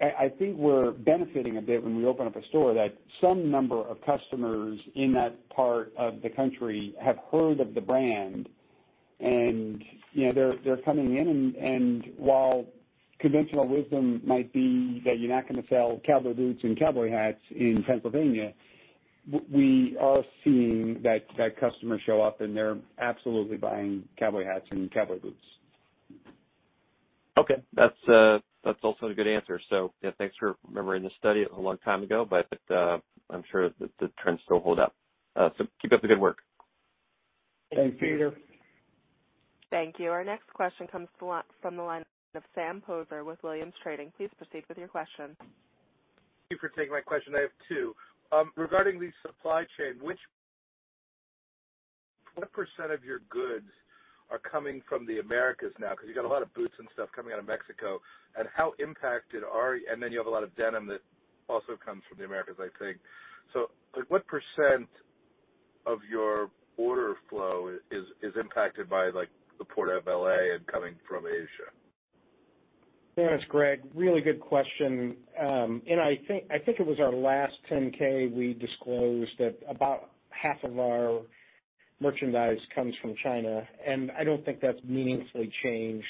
I think we're benefiting a bit when we open up a store that some number of customers in that part of the country have heard of the brand, and they're coming in and while conventional wisdom might be that you're not going to sell cowboy boots and cowboy hats in Pennsylvania, we are seeing that customer show up, and they're absolutely buying cowboy hats and cowboy boots. Okay. That's also a good answer. Yeah, thanks for remembering the study. A long time ago, but I'm sure the trends still hold up. Keep up the good work. Thanks. Peter. Thank you. Our next question comes from the line of Sam Poser with Williams Trading. Please proceed with your question. Thank you for taking my question. I have two. Regarding the supply chain, what percentage of your goods are coming from the Americas now? You've got a lot of boots and stuff coming out of Mexico. You have a lot of denim that also comes from the Americas, I think. What percent of your order flow is impacted by the Port of L.A. and coming from Asia? Thanks, Greg. Really good question. I think it was our last 10-K, we disclosed that about half of our merchandise comes from China, and I don't think that's meaningfully changed.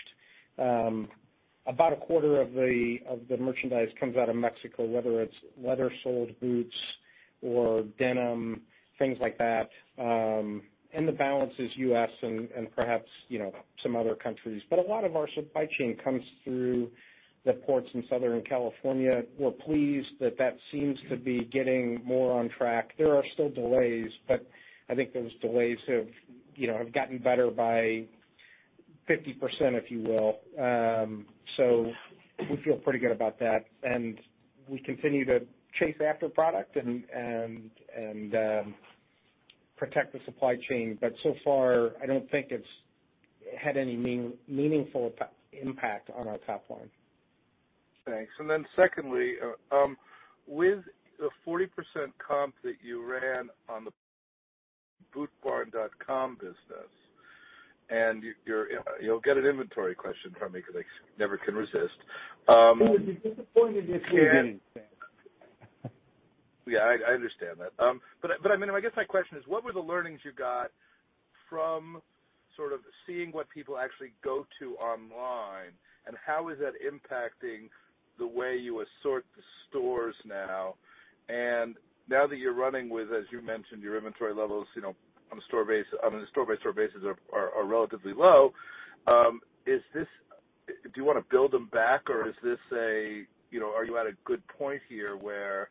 About a quarter of the merchandise comes out of Mexico, whether it's leather-soled boots or denim, things like that. The balance is U.S. and perhaps some other countries. A lot of our supply chain comes through the ports in Southern California. We're pleased that that seems to be getting more on track. There are still delays, but I think those delays have gotten better by 50%, if you will. We feel pretty good about that, and we continue to chase after product and protect the supply chain. So far, I don't think it's had any meaningful impact on our top line. Thanks. Then secondly, with the 40% comp that you ran on the bootbarn.com business, you'll get an inventory question from me because I never can resist. You will be disappointed. Yeah, I understand that. I guess my question is, what were the learnings you got from sort of seeing what people actually go to online, and how is that impacting the way you assort the stores now? Now that you're running with, as you mentioned, your inventory levels on a store-by-store basis are relatively low. Do you want to build them back, or are you at a good point here where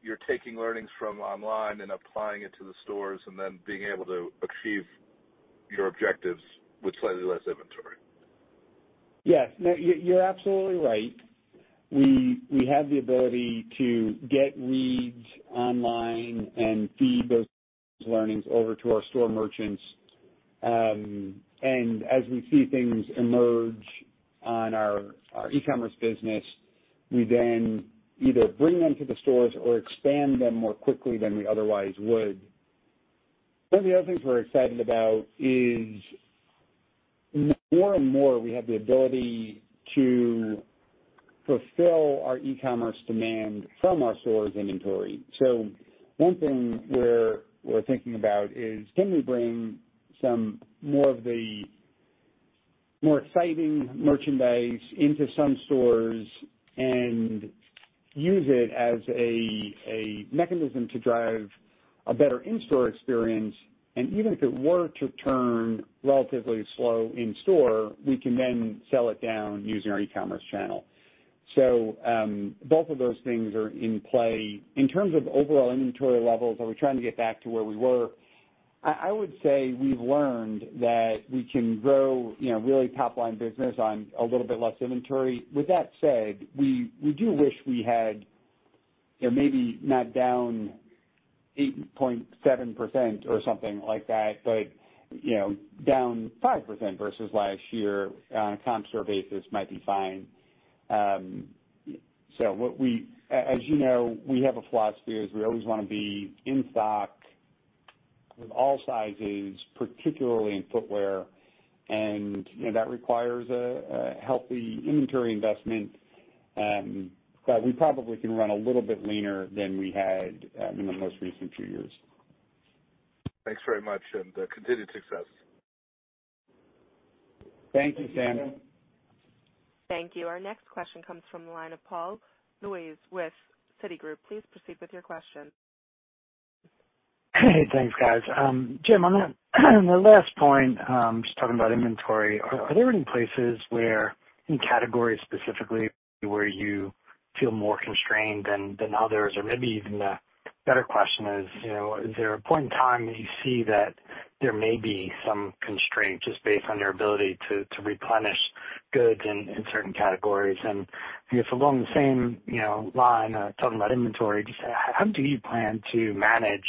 you're taking learnings from online and applying it to the stores, and then being able to achieve your objectives with slightly less inventory? Yes. No, you're absolutely right. We have the ability to get reads online and feed those learnings over to our store merchants. As we see things emerge on our e-commerce business, we then either bring them to the stores or expand them more quickly than we otherwise would. One of the other things we're excited about is more and more we have the ability to fulfill our e-commerce demand from our stores' inventory. One thing we're thinking about is, can we bring some more of the more exciting merchandise into some stores and use it as a mechanism to drive a better in-store experience. Even if it were to turn relatively slow in store, we can then sell it down using our e-commerce channel. Both of those things are in play. In terms of overall inventory levels, are we trying to get back to where we were? I would say we've learned that we can grow really top-line business on a little bit less inventory. With that said, we do wish we had maybe not down 8.7% or something like that, but down 5% versus last year on a comp store basis might be fine. As you know, we have a philosophy is we always want to be in stock with all sizes, particularly in footwear, and that requires a healthy inventory investment. We probably can run a little bit leaner than we had in the most recent few years. Thanks very much, and continued success. Thank you, Sam. Thank you. Our next question comes from the line of Paul Lejuez with Citigroup. Please proceed with your question. Hey, thanks guys. Jim, on the last point, just talking about inventory, are there any places where, in categories specifically, where you feel more constrained than others? Or maybe even the better question is there a point in time that you see that there may be some constraint just based on your ability to replenish goods in certain categories? I guess along the same line, talking about inventory, just how do you plan to manage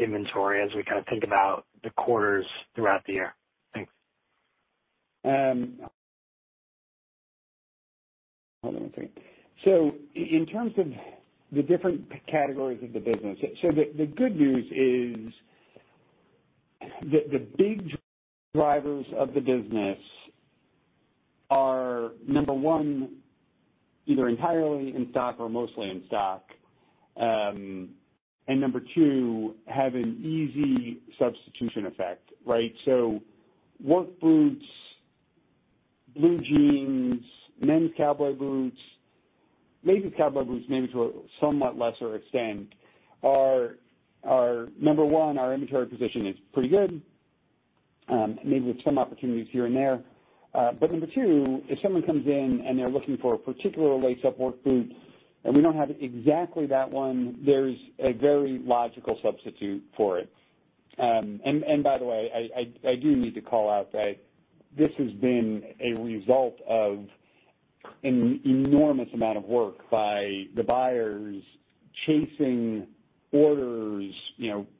inventory as we think about the quarters throughout the year? Thanks. Hold on one second. In terms of the different categories of the business, the good news is that the big drivers of the business are, number one, either entirely in stock or mostly in stock, and number two, have an easy substitution effect, right? Work boots, blue jeans, men's cowboy boots, ladies cowboy boots, maybe to a somewhat lesser extent, are, number one, our inventory position is pretty good, maybe with some opportunities here and there. Number two, if someone comes in and they're looking for a particular lace-up work boot, and we don't have exactly that one, there's a very logical substitute for it. By the way, I do need to call out that this has been a result of an enormous amount of work by the buyers chasing orders,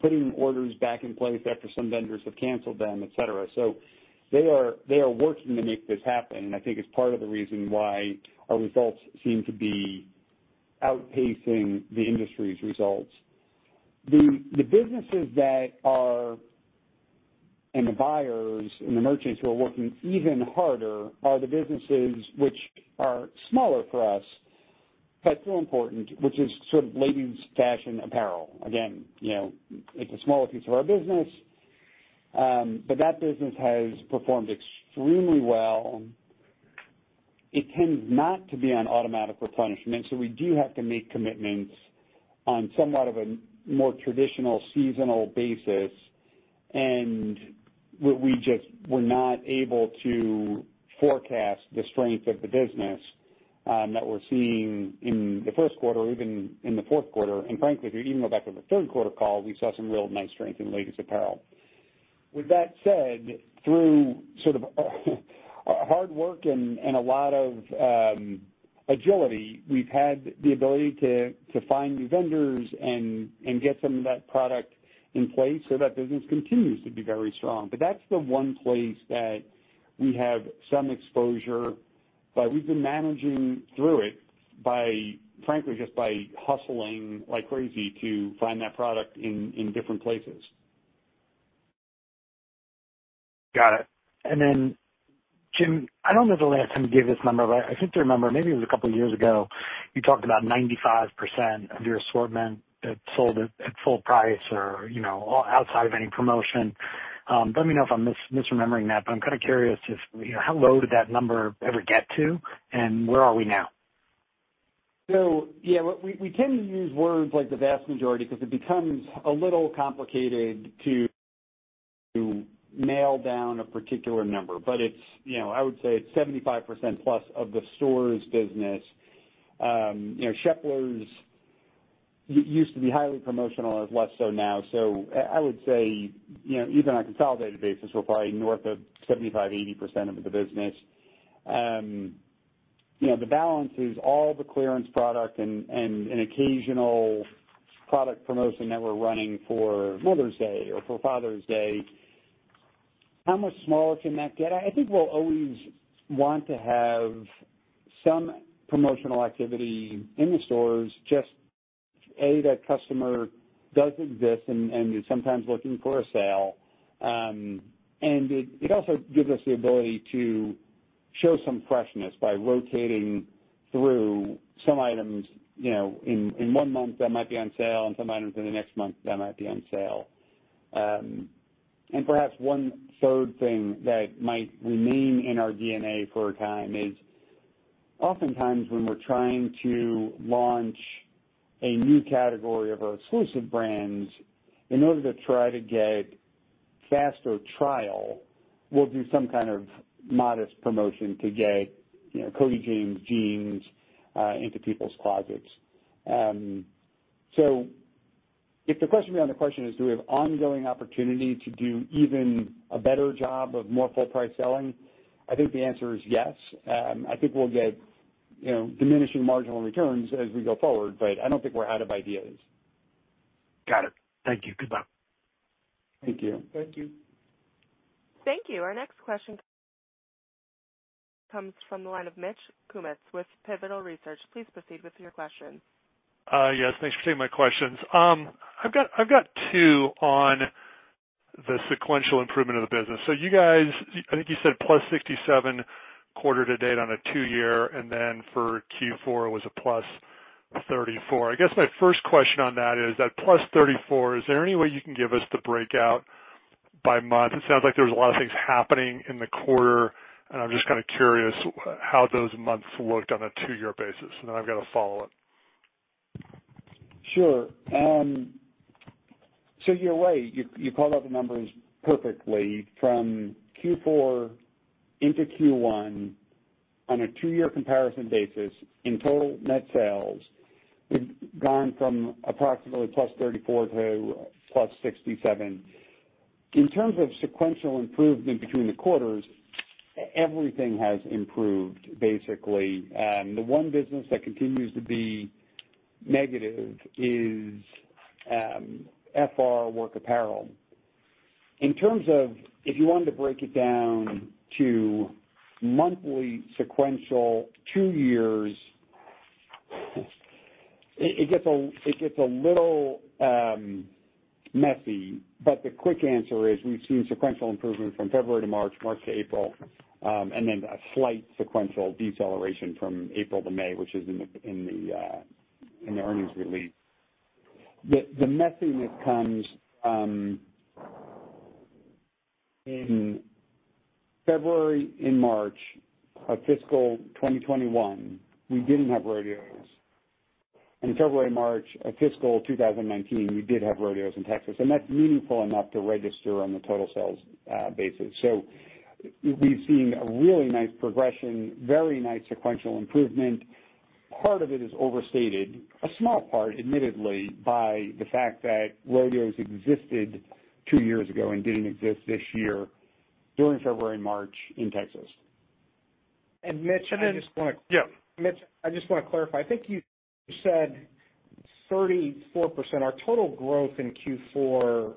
putting orders back in place after some vendors have canceled them, et cetera. They are working to make this happen, and I think it's part of the reason why our results seem to be outpacing the industry's results. The businesses that are and the buyers and the merchants who are working even harder are the businesses which are smaller for us, but still important, which is sort of ladies fashion apparel. Again, it's a smaller piece of our business, but that business has performed extremely well. It tends not to be on automatic replenishment, so we do have to make commitments on somewhat of a more traditional seasonal basis. We just were not able to forecast the strength of the business that we're seeing in the first quarter or even in the fourth quarter. Frankly, if you even go back to the third quarter call, we saw some real nice strength in ladies apparel. With that said, through sort of hard work and a lot of agility, we've had the ability to find new vendors and get some of that product in place, so that business continues to be very strong. That's the one place that we have some exposure, but we've been managing through it, frankly, just by hustling like crazy to find that product in different places. Got it. Jim, I don't know the last time you gave this number, but I seem to remember, maybe it was a couple of years ago, you talked about 95% of your assortment sold at full price or outside of any promotion. Let me know if I'm misremembering that, but I'm kind of curious just how low did that number ever get to, and where are we now? Yeah, we tend to use words like the vast majority because it becomes a little complicated to nail down a particular number. I would say it's 75%+ of the stores business. Sheplers used to be highly promotional, is less so now. I would say, even on a consolidated basis, we're probably north of 75%-80% of the business. The balance is all the clearance product and an occasional product promotion that we're running for Mother's Day or for Father's Day. How much smaller can that get? I think we'll always want to have some promotional activity in the stores, just that customer does exist and is sometimes looking for a sale, and it also gives us the ability to show some freshness by rotating through some items in one month that might be on sale and some items in the next month that might be on sale. Perhaps one third thing that might remain in our DNA for a time is oftentimes when we're trying to launch a new category of our exclusive brands, in order to try to get faster trial, we'll do some kind of modest promotion to get Cody James jeans into people's closets. If the question behind the question is, do we have ongoing opportunity to do even a better job of more full price selling, I think the answer is yes. I think we'll get diminishing marginal returns as we go forward, but I don't think we're out of ideas. Got it. Thank you. Goodbye. Thank you. Thank you. Thank you. Our next question comes from the line of Mitch Kummetz with Pivotal Research. Please proceed with your question. Yes, thanks for taking my questions. I've got two on the sequential improvement of the business. You guys, I think you said +67 quarter-to-date on a two-year, and then for Q4, it was a +34. I guess my first question on that is, that +34, is there any way you can give us the breakout by month. It sounds like there's a lot of things happening in the quarter, and I'm just kind of curious how those months looked on a two-year basis. I've got a follow-up. Sure. You're right. You called out the numbers perfectly. From Q4 into Q1, on a two-year comparison basis, in total net sales, we've gone from approximately +34 to +67. In terms of sequential improvement between the quarters, everything has improved, basically. The one business that continues to be negative is FR work apparel. In terms of if you wanted to break it down to monthly sequential two years, it gets a little messy, but the quick answer is we've seen sequential improvement from February to March to April, and then a slight sequential deceleration from April to May, which is in the earnings release. The messiness comes from in February and March of fiscal 2021, we didn't have rodeos. In February and March of fiscal 2019, we did have rodeos in Texas, and that's meaningful enough to register on the total sales basis. We've seen a really nice progression, very nice sequential improvement. Part of it is overstated, a small part, admittedly, by the fact that rodeos existed two years ago and didn't exist this year during February and March in Texas. Mitch, I just want to- Yeah. Mitch, I just want to clarify. I think you said 34%. Our total growth in Q4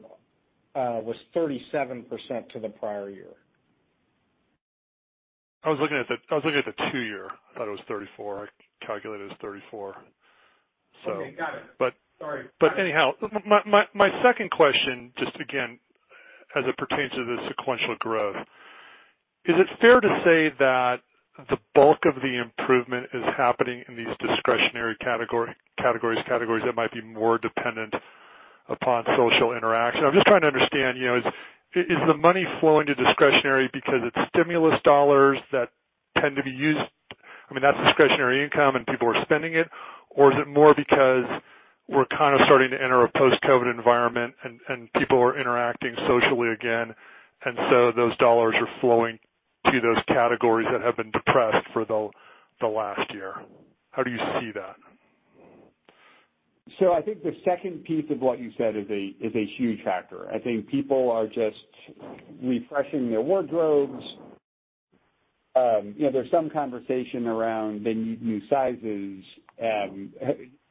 was 37% to the prior year. I was looking at the two year. I thought it was 34. I calculated it as 34. Okay, got it. Sorry. Anyhow, my second question, just again, as it pertains to the sequential growth, is it fair to say that the bulk of the improvement is happening in these discretionary categories that might be more dependent upon social interaction? I mean, I'm just trying to understand, is the money flowing to discretionary because it's stimulus dollars that tend to be used I mean, that's discretionary income and people are spending it, or is it more because we're kind of starting to enter a post-COVID environment and people are interacting socially again, those dollars are flowing to those categories that have been depressed for the last year? How do you see that? I think the second piece of what you said is a huge factor. I think people are just refreshing their wardrobes. There's some conversation around they need new sizes,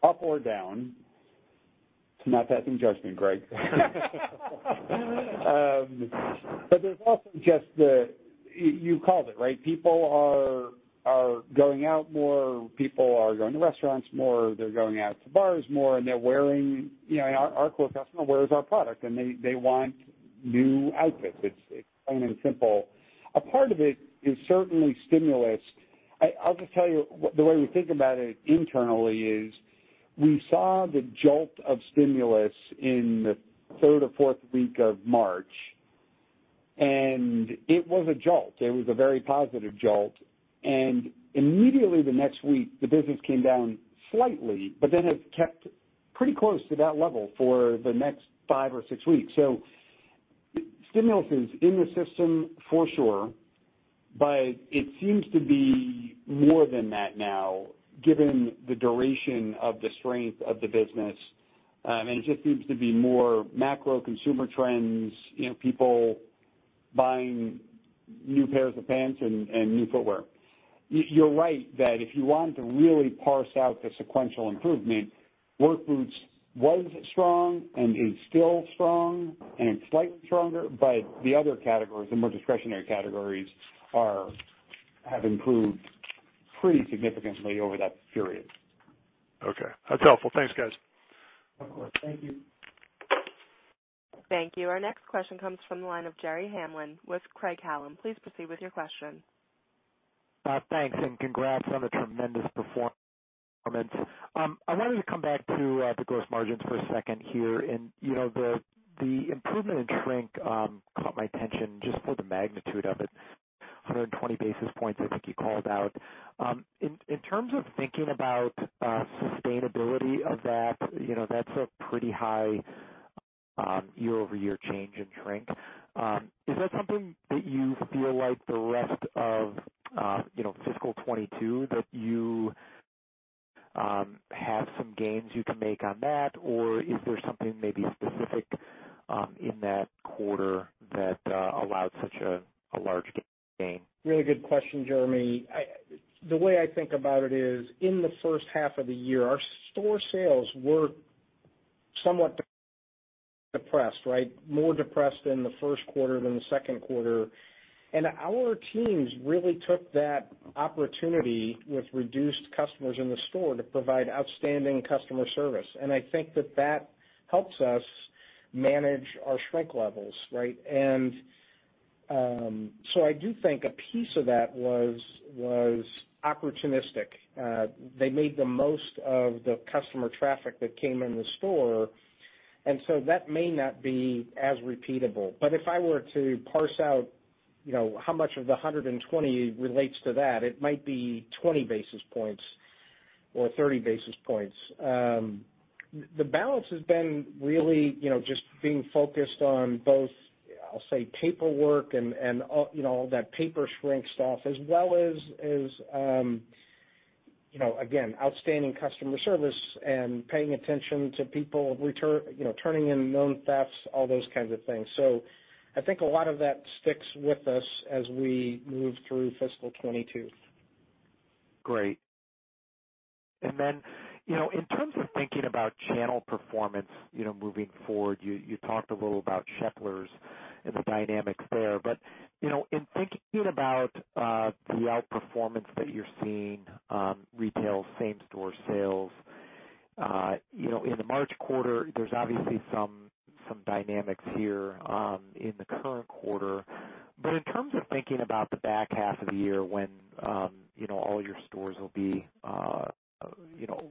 up or down. Not passing judgment, Greg. There's also just the, you called it, right? People are going out more, people are going to restaurants more, they're going out to bars more, and they're wearing. Our core customer wears our product, and they want new outfits. It's plain and simple. A part of it is certainly stimulus. I'll just tell you, the way we think about it internally is we saw the jolt of stimulus in the third or fourth week of March, and it was a jolt. It was a very positive jolt. Immediately the next week, the business came down slightly, but then it kept pretty close to that level for the next five or six weeks. Stimulus is in the system for sure, but it seems to be more than that now, given the duration of the strength of the business. It just seems to be more macro consumer trends, people buying new pairs of pants and new footwear. You're right that if you wanted to really parse out the sequential improvement, work boots was strong and is still strong and slightly stronger, but the other categories, the more discretionary categories, have improved pretty significantly over that period. Okay. That's helpful. Thanks, guys. Of course. Thank you. Thank you. Our next question comes from the line of Jeremy Hamblin with Craig-Hallum. Please proceed with your question. Thanks, and congrats on the tremendous performance. I wanted to come back to the gross margins for a second here. The improvement in shrink caught my attention just for the magnitude of it, 120 basis points I think you called out. In terms of thinking about sustainability of that's a pretty high year-over-year change in shrink. Is that something that you feel like the rest of fiscal 2022, that you have some gains you can make on that? Is there something maybe specific in that quarter that allowed such a large gain? Really good question, Jeremy. The way I think about it is, in the first half of the year, our store sales were somewhat depressed. More depressed in the first quarter than the second quarter. Our teams really took that opportunity with reduced customers in the store to provide outstanding customer service. I think that helps us manage our shrink levels, right? I do think a piece of that was opportunistic. They made the most of the customer traffic that came in the store, that may not be as repeatable. If I were to parse out how much of the 120 relates to that, it might be 20 basis points or 30 basis points. The balance has been really just being focused on both, I'll say, paperwork and all that paper shrink stuff, as well as, again, outstanding customer service and paying attention to people turning in known thefts, all those kinds of things. I think a lot of that sticks with us as we move through fiscal 2022. Great. In terms of thinking about channel performance moving forward, you talked a little about Sheplers and the dynamics there. In thinking about the outperformance that you're seeing, retail same-store sales, in the March quarter, there's obviously some dynamics here in the current quarter. In terms of thinking about the back half of the year when all your stores will be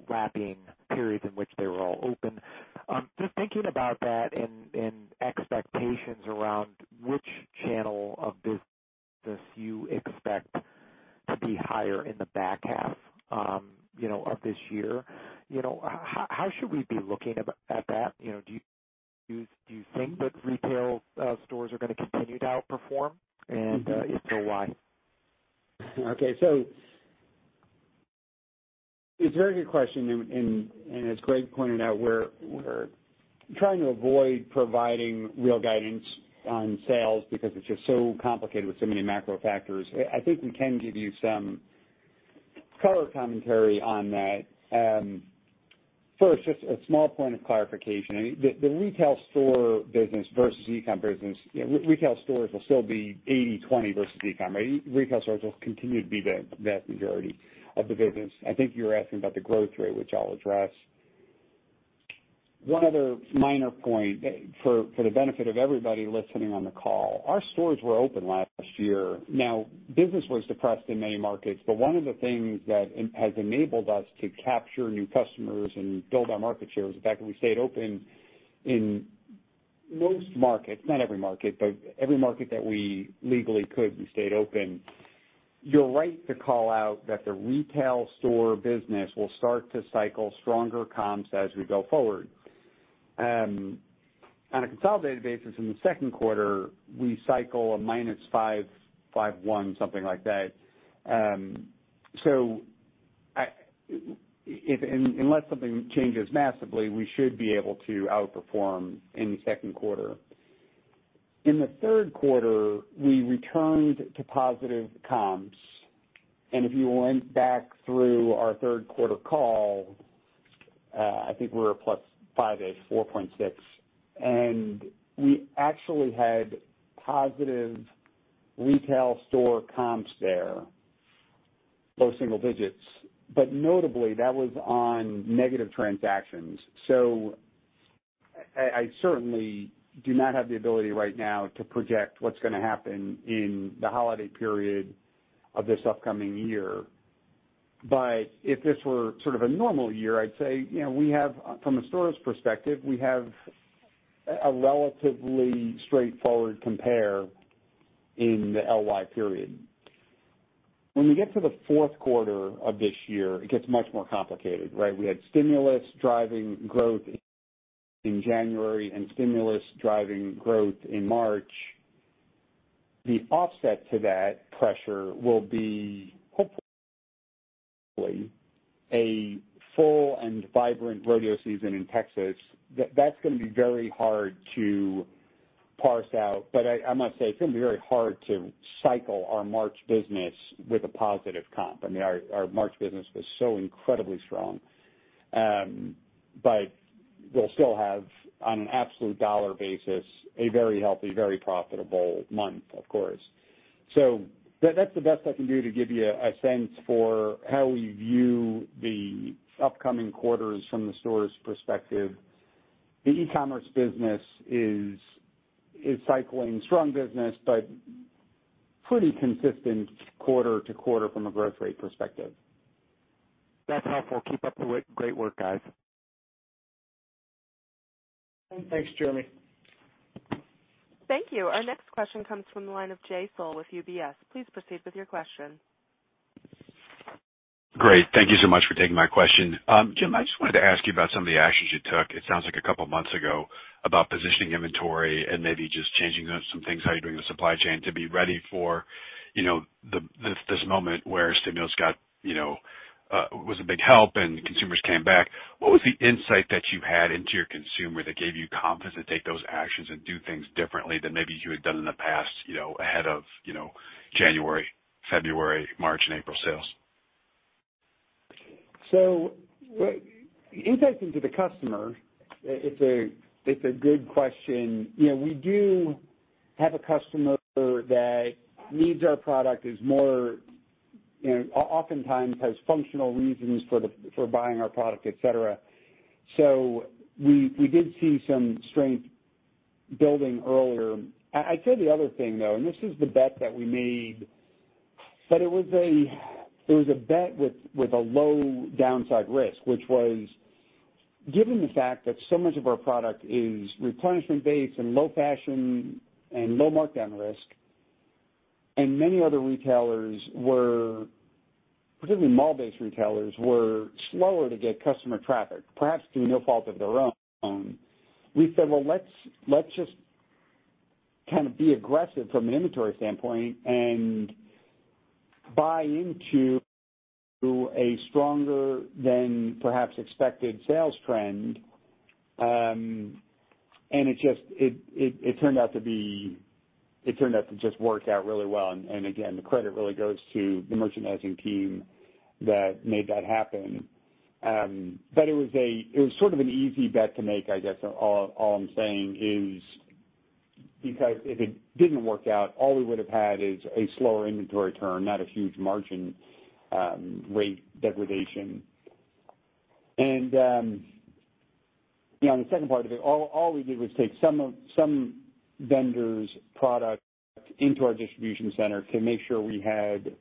wrapping periods in which they were all open, just thinking about that and expectations around which channel of business you expect to be higher in the back half of this year, how should we be looking at that? Do you think that retail stores are going to continue to outperform? If so, why? Okay. It's a very good question, and as Greg pointed out, we're trying to avoid providing real guidance on sales because it's just so complicated with so many macro factors. I think we can give you some color commentary on that. First, just a small point of clarification. The retail store business versus e-com business, retail stores will still be 80/20 versus e-com. Retail stores will continue to be the vast majority of the business. I think you're asking about the growth rate, which I'll address. One other minor point, for the benefit of everybody listening on the call, our stores were open last year. Business was depressed in many markets, but one of the things that has enabled us to capture new customers and build our market share is the fact that we stayed open in most markets. Not every market, but every market that we legally could, we stayed open. You're right to call out that the retail store business will start to cycle stronger comps as we go forward. On a consolidated basis in the second quarter, we cycle a -5.51%, something like that. Unless something changes massively, we should be able to outperform in the second quarter. In the third quarter, we returned to positive comps, and if you went back through our third quarter call, I think we were at +5.8%, 4.6%. We actually had positive retail store comps there, low single digits. Notably, that was on negative transactions. I certainly do not have the ability right now to project what's going to happen in the holiday period of this upcoming year. If this were sort of a normal year, I'd say from a stores perspective, we have a relatively straightforward compare in the LY period. When we get to the fourth quarter of this year, it gets much more complicated, right? We had stimulus driving growth in January and stimulus driving growth in March. The offset to that pressure will be, hopefully, a full and vibrant rodeo season in Texas. That's going to be very hard to parse out, I must say, it's going to be very hard to cycle our March business with a positive comp. I mean, our March business was so incredibly strong. We'll still have, on an absolute dollar basis, a very healthy, very profitable month, of course. That's the best I can do to give you a sense for how we view the upcoming quarters from the stores perspective. The e-commerce business is cycling strong business, but pretty consistent quarter to quarter from a growth rate perspective. That's helpful. Keep up the great work, guys. Thanks, Jeremy. Thank you. Our next question comes from the line of Jay Sole with UBS. Please proceed with your question. Great. Thank you so much for taking my question. Jim, I just wanted to ask you about some of the actions you took, it sounds like a couple of months ago, about positioning inventory and maybe just changing up some things, how you're doing the supply chain to be ready for this moment where stimulus was a big help and consumers came back. What was the insight that you had into your consumer that gave you confidence to take those actions and do things differently than maybe you had done in the past ahead of January, February, March, and April sales? Insight into the customer, it's a good question. We do have a customer that needs our product, is more oftentimes has functional reasons for buying our product, et cetera. We did see some strength building earlier. I'd say the other thing, though, and this is the bet that we made, but it was a bet with a low downside risk, which was, given the fact that so much of our product is replenishment-based and low fashion and low markdown risk, and many other retailers, particularly mall-based retailers, were slower to get customer traffic, perhaps through no fault of their own. We said, "Well, let's just be aggressive from an inventory standpoint and buy into a stronger than perhaps expected sales trend." It turned out to just work out really well. Again, the credit really goes to the merchandising team that made that happen. It was sort of an easy bet to make, I guess, all I'm saying is because if it didn't work out, all we would have had is a slower inventory turn, not a huge margin rate degradation. The second part of it, all we did was take some vendors' product into our distribution center to make sure we had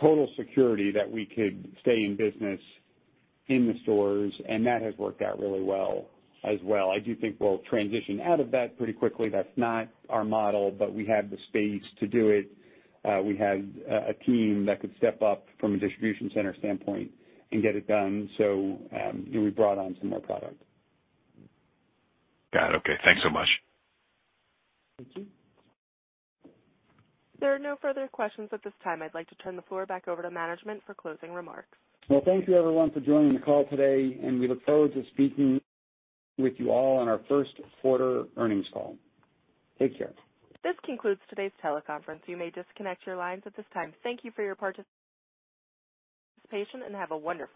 total security that we could stay in business in the stores, and that has worked out really well as well. I do think we'll transition out of that pretty quickly. That's not our model, but we have the space to do it. We had a team that could step up from a distribution center standpoint and get it done. We brought on some more product. Got it. Okay. Thanks so much. There are no further questions at this time. I'd like to turn the floor back over to management for closing remarks. Well, thank you, everyone, for joining the call today. We look forward to speaking with you all on our first quarter earnings call. Take care. This concludes today's teleconference. You may disconnect your lines at this time. Thank you for your participation, and have a wonderful.